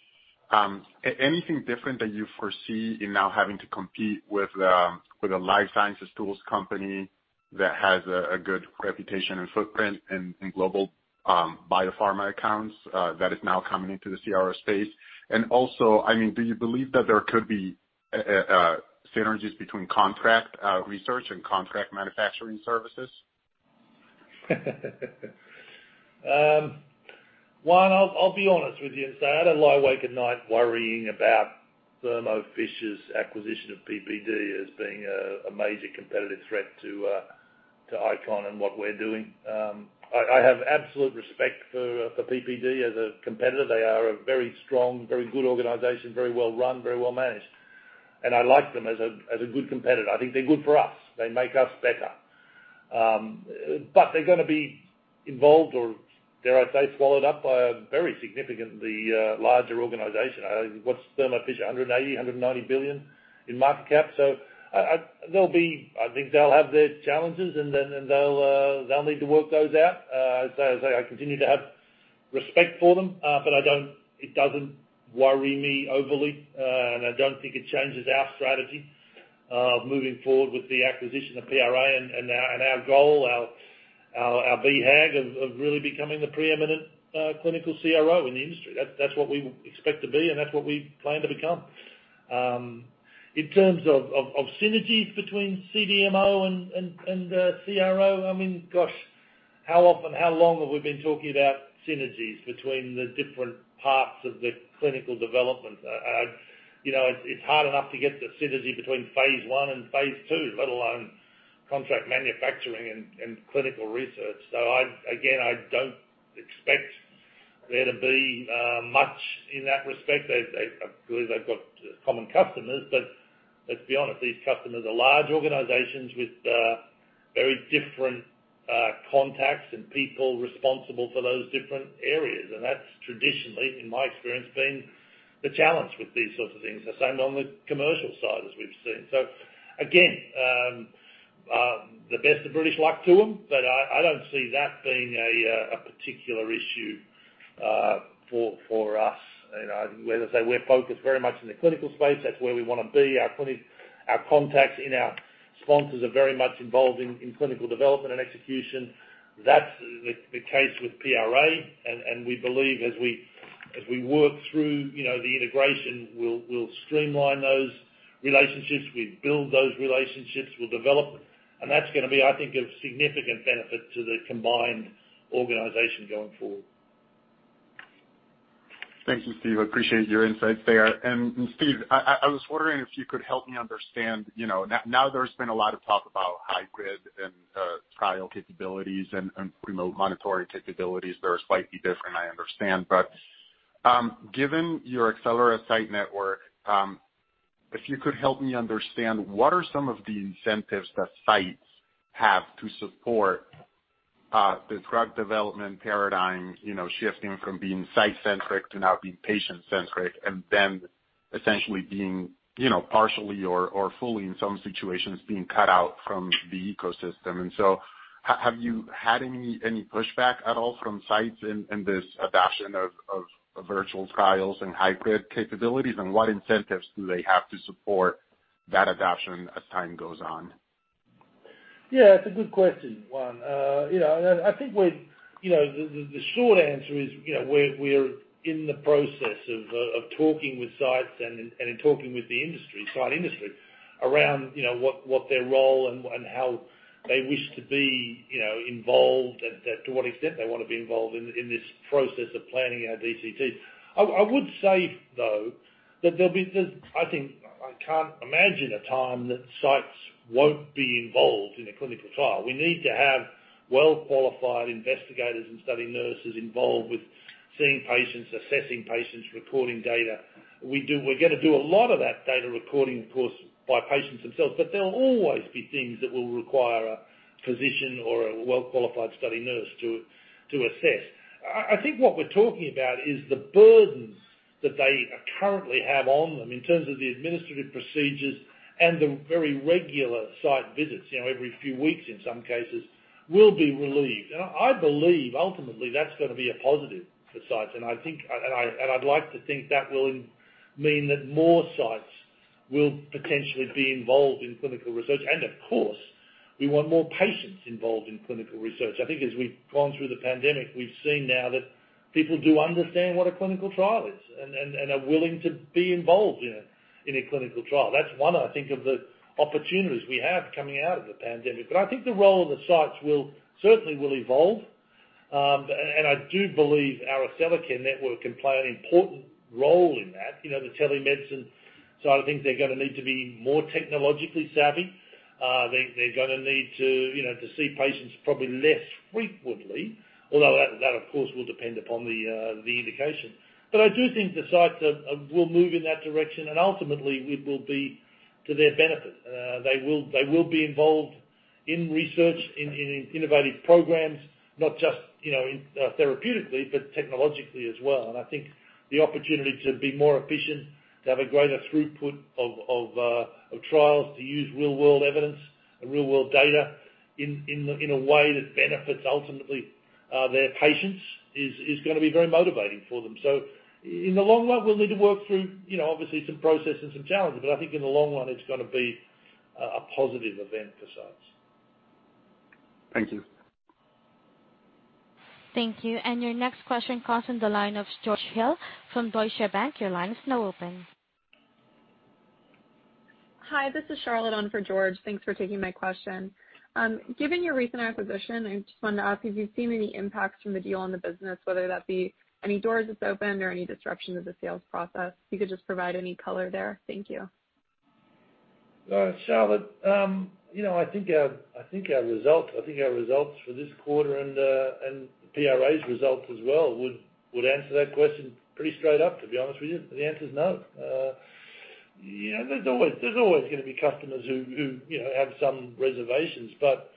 S12: Anything different that you foresee in now having to compete with a life sciences tools company that has a good reputation and footprint in global biopharma accounts that is now coming into the CRO space? Also, do you believe that there could be synergies between contract research and contract manufacturing services?
S4: Juan, I'll be honest with you and say I don't lie awake at night worrying about Thermo Fisher's acquisition of PPD as being a major competitive threat to ICON and what we're doing. I have absolute respect for PPD as a competitor. They are a very strong, very good organization, very well run, very well managed. I like them as a good competitor. I think they're good for us. They make us better. They're going to be involved, or dare I say, swallowed up by a very significantly larger organization. What's Thermo Fisher, $180 billion, $190 billion in market cap? I think they'll have their challenges, and then they'll need to work those out. As I say, I continue to have respect for them. It doesn't worry me overly, and I don't think it changes our strategy of moving forward with the acquisition of PRA and our goal, our BHAG, of really becoming the preeminent clinical CRO in the industry. That's what we expect to be, and that's what we plan to become. In terms of synergies between CDMO and CRO, gosh, how often, how long have we been talking about synergies between the different parts of the clinical development? It's hard enough to get the synergy between Phase I and Phase II, let alone contract manufacturing and clinical research. Again, I don't expect there to be much in that respect. I believe they've got common customers, but let's be honest, these customers are large organizations with very different contacts and people responsible for those different areas, and that's traditionally, in my experience, been the challenge with these sorts of things. The same on the commercial side, as we've seen. Again, the best of British luck to them, but I don't see that being a particular issue for us. As I say, we're focused very much in the clinical space. That's where we want to be. Our contacts and our sponsors are very much involved in clinical development and execution. That's the case with PRA, and we believe as we work through the integration, we'll streamline those relationships, we'll build those relationships, we'll develop them. That's going to be, I think, a significant benefit to the combined organization going forward.
S12: Thank you, Steve. Appreciate your insights there. Steve, I was wondering if you could help me understand, now there's been a lot of talk about hybrid and trial capabilities and remote monitoring capabilities. They're slightly different, I understand. Given your Accellacare site network, if you could help me understand, what are some of the incentives that sites have to support the drug development paradigm shifting from being site-centric to now being patient-centric, and then essentially being, partially or fully in some situations, being cut out from the ecosystem. Have you had any pushback at all from sites in this adoption of virtual trials and hybrid capabilities, and what incentives do they have to support that adoption as time goes on?
S4: Yeah, it's a good question, Juan. I think the short answer is, we're in the process of talking with sites and in talking with the industry, site industry, around what their role and how they wish to be involved and to what extent they want to be involved in this process of planning our DCTs. I would say, though, that I can't imagine a time that sites won't be involved in a clinical trial. We need to have well-qualified investigators and study nurses involved with seeing patients, assessing patients, recording data. We're going to do a lot of that data recording, of course, by patients themselves, but there will always be things that will require a physician or a well-qualified study nurse to assess. I think what we're talking about is the burdens that they currently have on them in terms of the administrative procedures and the very regular site visits, every few weeks in some cases, will be relieved. I believe ultimately, that's going to be a positive for sites. I'd like to think that will mean that more sites will potentially be involved in clinical research. Of course, we want more patients involved in clinical research. I think as we've gone through the pandemic, we've seen now that people do understand what a clinical trial is and are willing to be involved in a clinical trial. That's one, I think, of the opportunities we have coming out of the pandemic. I think the role of the sites certainly will evolve. I do believe our Accellacare network can play an important role in that. The telemedicine side of things, they're going to need to be more technologically savvy. They're gonna need to see patients probably less frequently, although that, of course, will depend upon the indication. I do think the sites will move in that direction, and ultimately, it will be to their benefit. They will be involved in research, in innovative programs, not just therapeutically, but technologically as well. I think the opportunity to be more efficient, to have a greater throughput of trials, to use real-world evidence and real-world data in a way that benefits, ultimately, their patients, is going to be very motivating for them. In the long run, we'll need to work through obviously some processes and challenges, but I think in the long run, it's going to be a positive event for sites.
S12: Thank you.
S1: Thank you. Your next question comes on the line of George Hill from Deutsche Bank. Your line is now open.
S13: Hi, this is Charlotte on for George. Thanks for taking my question. Given your recent acquisition, I just wanted to ask if you've seen any impacts from the deal on the business, whether that be any doors it's opened or any disruption of the sales process. If you could just provide any color there. Thank you.
S4: Charlotte, I think our results for this quarter and PRA's results as well would answer that question pretty straight up, to be honest with you. The answer is no. There's always going to be customers who have some reservations, but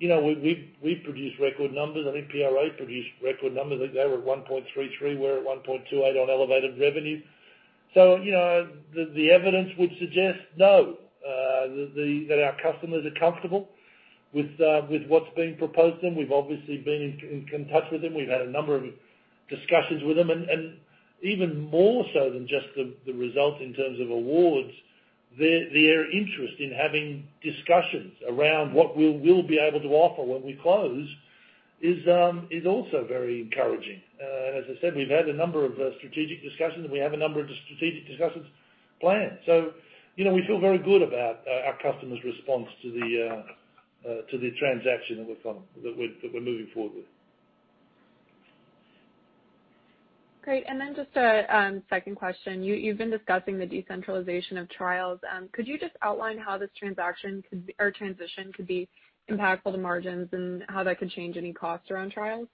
S4: we've produced record numbers. I think PRA produced record numbers. I think they were at 1.33. We're at 1.28 on elevated revenue. The evidence would suggest no, that our customers are comfortable with what's been proposed to them. We've obviously been in touch with them. We've had a number of discussions with them. Even more so than just the results in terms of awards, their interest in having discussions around what we will be able to offer when we close is also very encouraging. As I said, we've had a number of strategic discussions, and we have a number of strategic discussions planned. We feel very good about our customers' response to the transaction that we're moving forward with.
S13: Great. Just a second question. You've been discussing the decentralization of trials. Could you just outline how this transition could be impactful to margins and how that could change any costs around trials?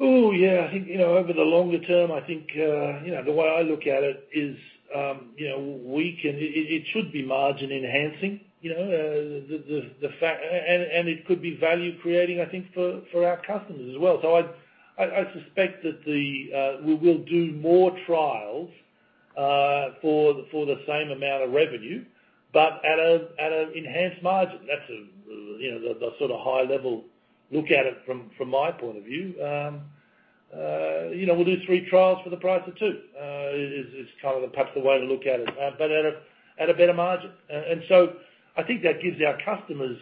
S4: Oh, yeah. I think over the longer term, the way I look at it is, it should be margin-enhancing. It could be value-creating, I think, for our customers as well. I suspect that we will do more trials for the same amount of revenue, but at an enhanced margin. That's the sort of high-level look at it from my point of view. We'll do three trials for the price of two, is perhaps the way to look at it, but at a better margin. I think that gives our customers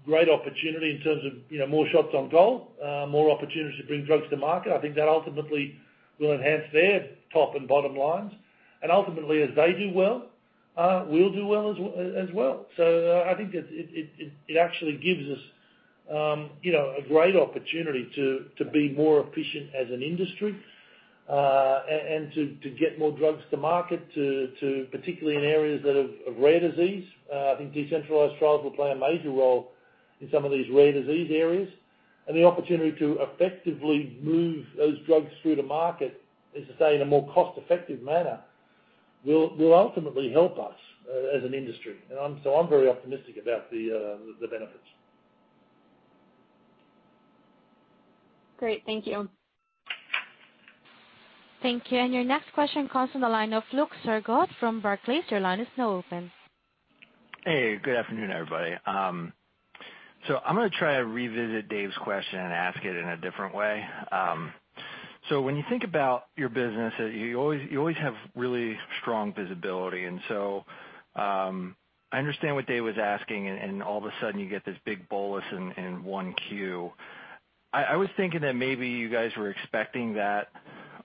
S4: a great opportunity in terms of more shots on goal, more opportunities to bring drugs to market. I think that ultimately will enhance their top and bottom lines. Ultimately, as they do well, will do well as well. I think it actually gives us a great opportunity to be more efficient as an industry, and to get more drugs to market, particularly in areas of rare disease. I think decentralized trials will play a major role in some of these rare disease areas. The opportunity to effectively move those drugs through to market, as I say, in a more cost-effective manner, will ultimately help us as an industry. I'm very optimistic about the benefits.
S13: Great. Thank you.
S1: Thank you. Your next question comes from the line of Luke Sergott from Barclays. Your line is now open.
S14: Hey, good afternoon, everybody. I'm going to try to revisit Dave's question and ask it in a different way. When you think about your business, you always have really strong visibility. I understand what Dave was asking, and all of a sudden you get this big bolus in 1Q. I was thinking that maybe you guys were expecting that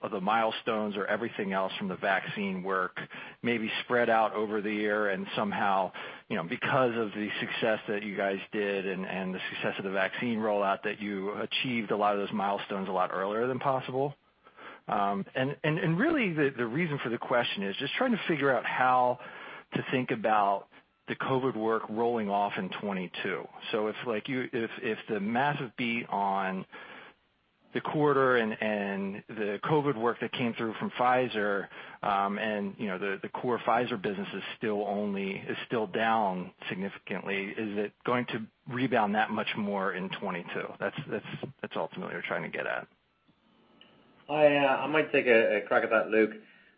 S14: the milestones or everything else from the vaccine work maybe spread out over the year and somehow, because of the success that you guys did and the success of the vaccine rollout, that you achieved a lot of those milestones a lot earlier than possible. Really, the reason for the question is just trying to figure out how to think about the COVID work rolling off in 2022. If the massive beat on the quarter and the COVID work that came through from Pfizer, and the core Pfizer business is still down significantly, is it going to rebound that much more in 2022? That's ultimately what we're trying to get at.
S3: I might take a crack at that, Luke.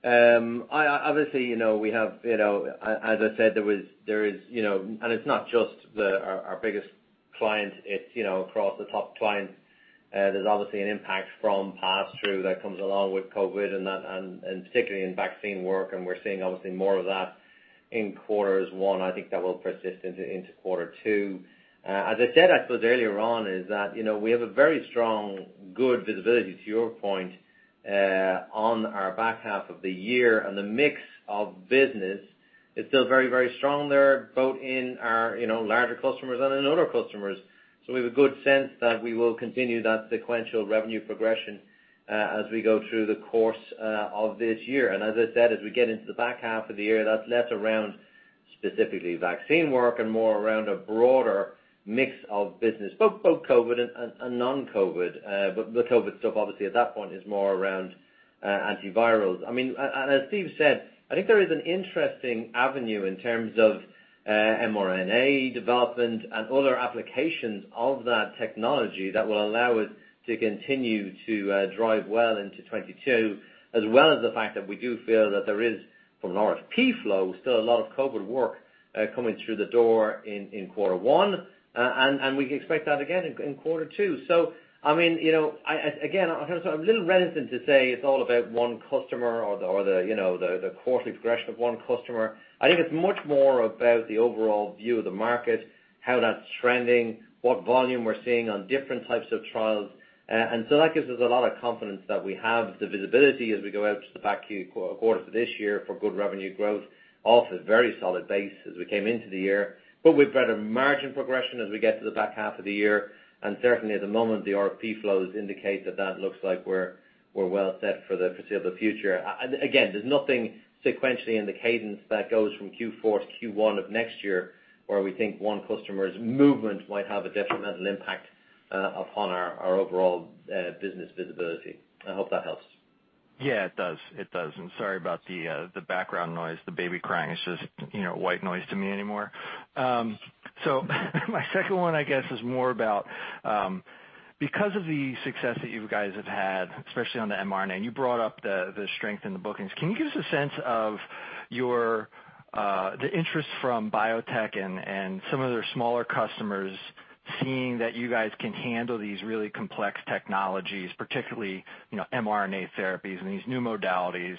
S3: Obviously, as I said, it's not just our biggest client, it's across the top clients. There's obviously an impact from pass-through that comes along with COVID and particularly in vaccine work, and we're seeing obviously more of that in quarters one. I think that will persist into quarter two. As I said, I suppose earlier on, is that we have a very strong, good visibility, to your point, on our back half of the year. The mix of business is still very, very strong there, both in our larger customers and in other customers. We have a good sense that we will continue that sequential revenue progression as we go through the course of this year. As I said, as we get into the back half of the year, that's less around specifically vaccine work and more around a broader mix of business. Both COVID and non-COVID. The COVID stuff obviously at that point is more around antivirals. As Steve said, I think there is an interesting avenue in terms of mRNA development and other applications of that technology that will allow us to continue to drive well into 2022, as well as the fact that we do feel that there is, from an RFP flow, still a lot of COVID work coming through the door in quarter one. We can expect that again in quarter two. Again, I'm a little reticent to say it's all about one customer or the quarterly progression of one customer. I think it's much more about the overall view of the market, how that's trending, what volume we're seeing on different types of trials. That gives us a lot of confidence that we have the visibility as we go out to the back quarter for this year for good revenue growth, off a very solid base as we came into the year. With better margin progression as we get to the back half of the year. Certainly at the moment, the RFP flows indicate that looks like we're well set for the foreseeable future. Again, there's nothing sequentially in the cadence that goes from Q4 to Q1 of next year where we think one customer's movement might have a detrimental impact upon our overall business visibility. I hope that helps.
S14: Yeah, it does. I'm sorry about the background noise, the baby crying. It's just white noise to me anymore. My second one, I guess, is more about, because of the success that you guys have had, especially on the mRNA, and you brought up the strength in the bookings. Can you give us a sense of the interest from biotech and some of their smaller customers seeing that you guys can handle these really complex technologies, particularly mRNA therapies and these new modalities?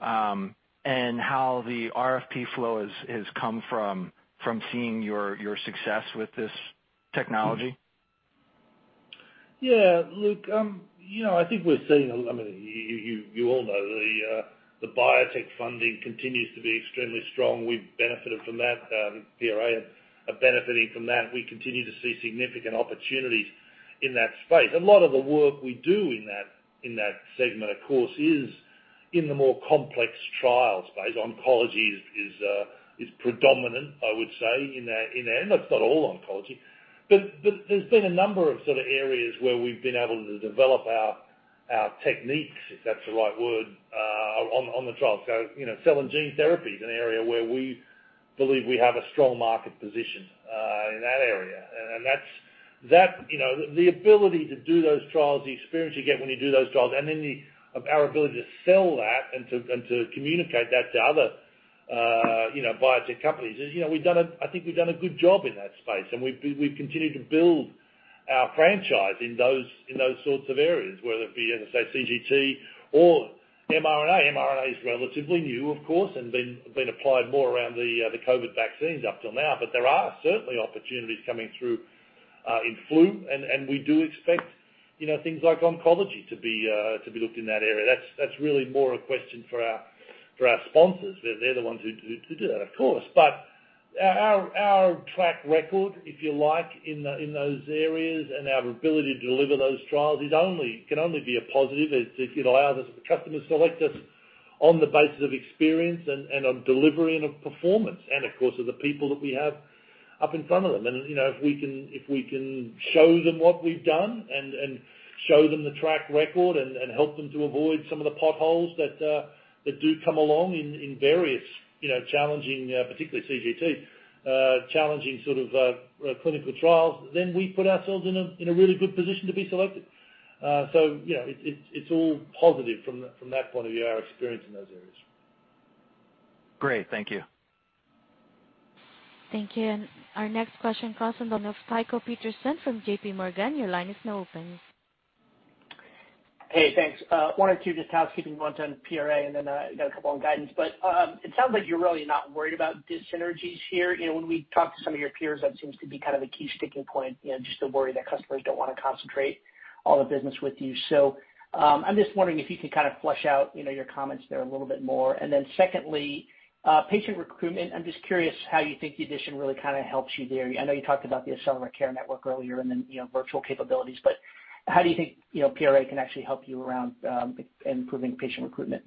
S14: How the RFP flow has come from seeing your success with this technology?
S4: Yeah. Luke, I think we're seeing, you all know, the biotech funding continues to be extremely strong. We've benefited from that PRA are benefiting from that. We continue to see significant opportunities in that space. A lot of the work we do in that segment, of course, is in the more complex trial space. Oncology is predominant, I would say, in there. That's not all oncology. There's been a number of sort of areas where we've been able to develop our techniques, if that's the right word, on the trial. Cell and gene therapy is an area where we believe we have a strong market position in that area. The ability to do those trials, the experience you get when you do those trials, and then our ability to sell that and to communicate that to other biotech companies is I think we've done a good job in that space and we've continued to build our franchise in those sorts of areas, whether it be, as I say, CGT or mRNA. mRNA is relatively new, of course, and been applied more around the COVID vaccines up till now. There are certainly opportunities coming through in flu, and we do expect things like oncology to be looked in that area. That's really more a question for our sponsors. They're the ones who do that, of course. Our track record, if you like, in those areas and our ability to deliver those trials can only be a positive. Our customers select us on the basis of experience and on delivery and on performance, and of course, of the people that we have up in front of them. If we can show them what we've done and show them the track record and help them to avoid some of the potholes that do come along in various challenging, particularly CGT, challenging sort of clinical trials, then we put ourselves in a really good position to be selected. It's all positive from that point of view, our experience in those areas.
S14: Great. Thank you.
S1: Thank you. Our next question comes in on the line of Tycho Peterson from JPMorgan. Your line is now open.
S15: Hey, thanks. One or two just housekeeping ones on PRA and then I got a couple on guidance. It sounds like you're really not worried about dis-synergies here. When we talk to some of your peers, that seems to be kind of a key sticking point, just the worry that customers don't want to concentrate all the business with you. I'm just wondering if you could kind of flesh out your comments there a little bit more. Secondly, patient recruitment. I'm just curious how you think the addition really helps you there. I know you talked about the Accellacare network earlier and then virtual capabilities, but how do you think PRA can actually help you around improving patient recruitment?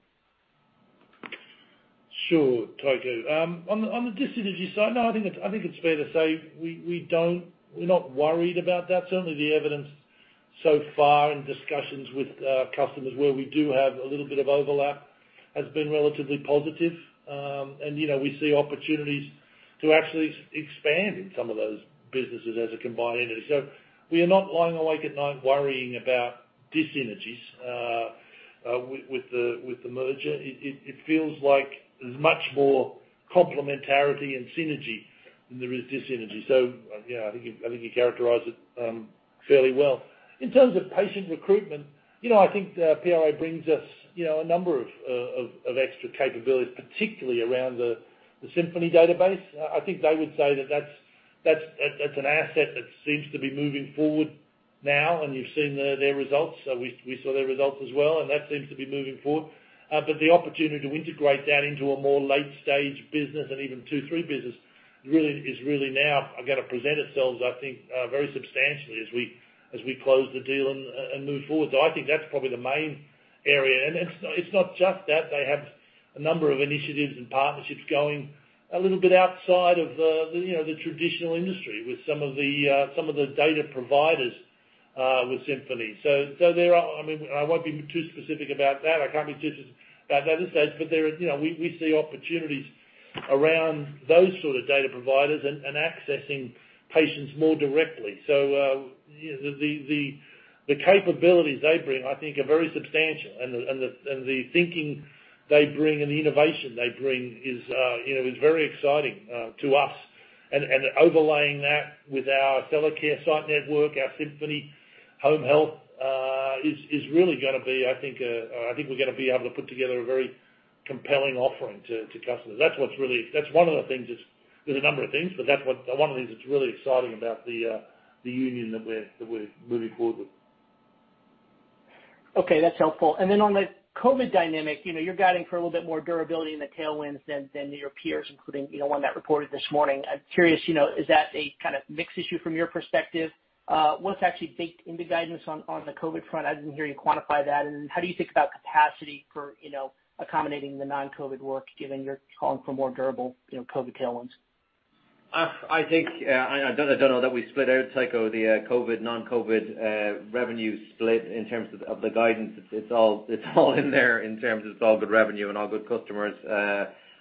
S4: Sure, Tycho. On the dis-synergy side, no, I think it's fair to say we're not worried about that. Certainly, the evidence so far in discussions with customers where we do have a little bit of overlap has been relatively positive. We see opportunities to actually expand in some of those businesses as a combined entity. We are not lying awake at night worrying about dis-synergies with the merger. It feels like there's much more complementarity and synergy than there is dis-synergy. Yeah, I think you characterize it fairly well. In terms of patient recruitment, I think PRA brings us a number of extra capabilities, particularly around the Symphony database. I think they would say that that's an asset that seems to be moving forward now, and you've seen their results. We saw their results as well, and that seems to be moving forward. The opportunity to integrate that into a more late-stage business and even phase II, phase III business is really now going to present itself, I think, very substantially as we close the deal and move forward. I think that's probably the main area, and it's not just that. They have a number of initiatives and partnerships going a little bit outside of the traditional industry with some of the data providers with Symphony. I won't be too specific about that. I can't be too specific about that stage, but we see opportunities around those sort of data providers and accessing patients more directly. The capabilities they bring, I think, are very substantial, and the thinking they bring and the innovation they bring is very exciting to us. Overlaying that with our Accellacare site network, our Symphony Home Health, I think we're going to be able to put together a very compelling offering to customers. There's a number of things, that's one of the things that's really exciting about the union that we're moving forward with.
S15: Okay, that's helpful. Then on the COVID dynamic, you're guiding for a little bit more durability in the tailwinds than your peers, including one that reported this morning. I'm curious, is that a kind of mixed issue from your perspective? What's actually baked into guidance on the COVID front? I didn't hear you quantify that. How do you think about capacity for accommodating the non-COVID work, given you're calling for more durable COVID tailwinds?
S3: I think, I don't know that we split out, Tycho, the COVID, non-COVID revenue split in terms of the guidance. It's all in there in terms of it's all good revenue and all good customers.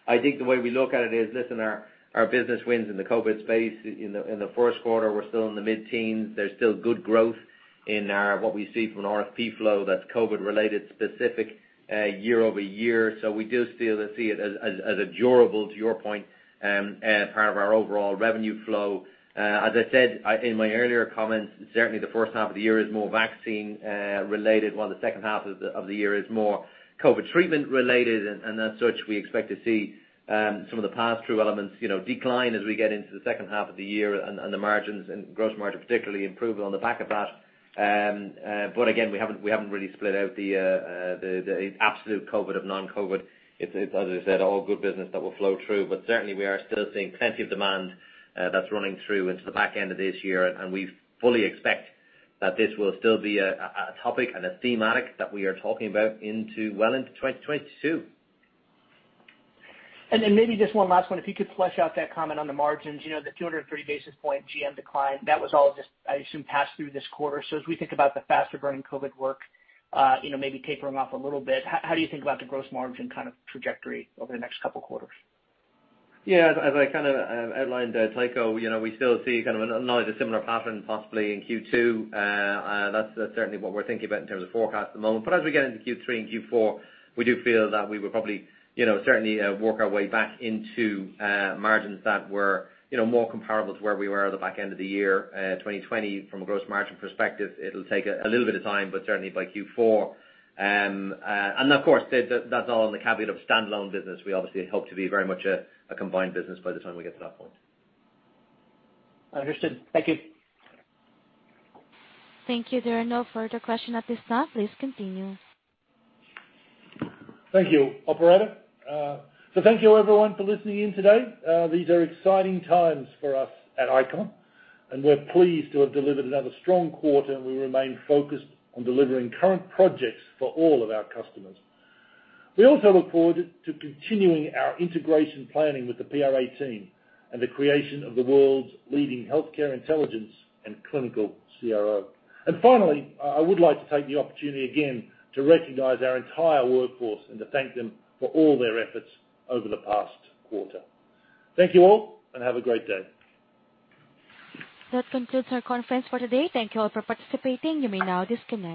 S3: I think the way we look at it is, listen, our business wins in the COVID space. In the first quarter, we're still in the mid-teens. There's still good growth in our, what we see from an RFP flow that's COVID-related, specific year-over-year. We do still see it as a durable, to your point, part of our overall revenue flow. As I said in my earlier comments, certainly the first half of the year is more vaccine-related, while the second half of the year is more COVID treatment-related. As such, we expect to see some of the pass-through elements decline as we get into the second half of the year and the margins, and gross margin particularly, improve on the back of that. Again, we haven't really split out the absolute COVID of non-COVID. It's, as I said, all good business that will flow through. Certainly, we are still seeing plenty of demand that's running through into the back end of this year, and we fully expect that this will still be a topic and a thematic that we are talking about well into 2022.
S15: Maybe just one last one. If you could flesh out that comment on the margins. The 230 basis point GM decline, that was all just, I assume, pass through this quarter. As we think about the faster-burning COVID work maybe tapering off a little bit, how do you think about the gross margin trajectory over the next couple quarters?
S3: Yeah. As I outlined, Tycho, we still see not only a similar pattern possibly in Q2. That's certainly what we're thinking about in terms of forecast at the moment. As we get into Q3 and Q4, we do feel that we will probably certainly work our way back into margins that were more comparable to where we were at the back end of the year 2020 from a gross margin perspective. It'll take a little bit of time, but certainly by Q4. Of course, that's all on the caveat of standalone business. We obviously hope to be very much a combined business by the time we get to that point.
S15: Understood. Thank you.
S1: Thank you. There are no further questions at this time. Please continue.
S4: Thank you, operator. Thank you, everyone, for listening in today. These are exciting times for us at ICON, and we're pleased to have delivered another strong quarter, and we remain focused on delivering current projects for all of our customers. We also look forward to continuing our integration planning with the PRA team and the creation of the world's leading healthcare intelligence and clinical CRO. Finally, I would like to take the opportunity again to recognize our entire workforce and to thank them for all their efforts over the past quarter. Thank you all, and have a great day.
S1: That concludes our conference for today. Thank you all for participating. You may now disconnect.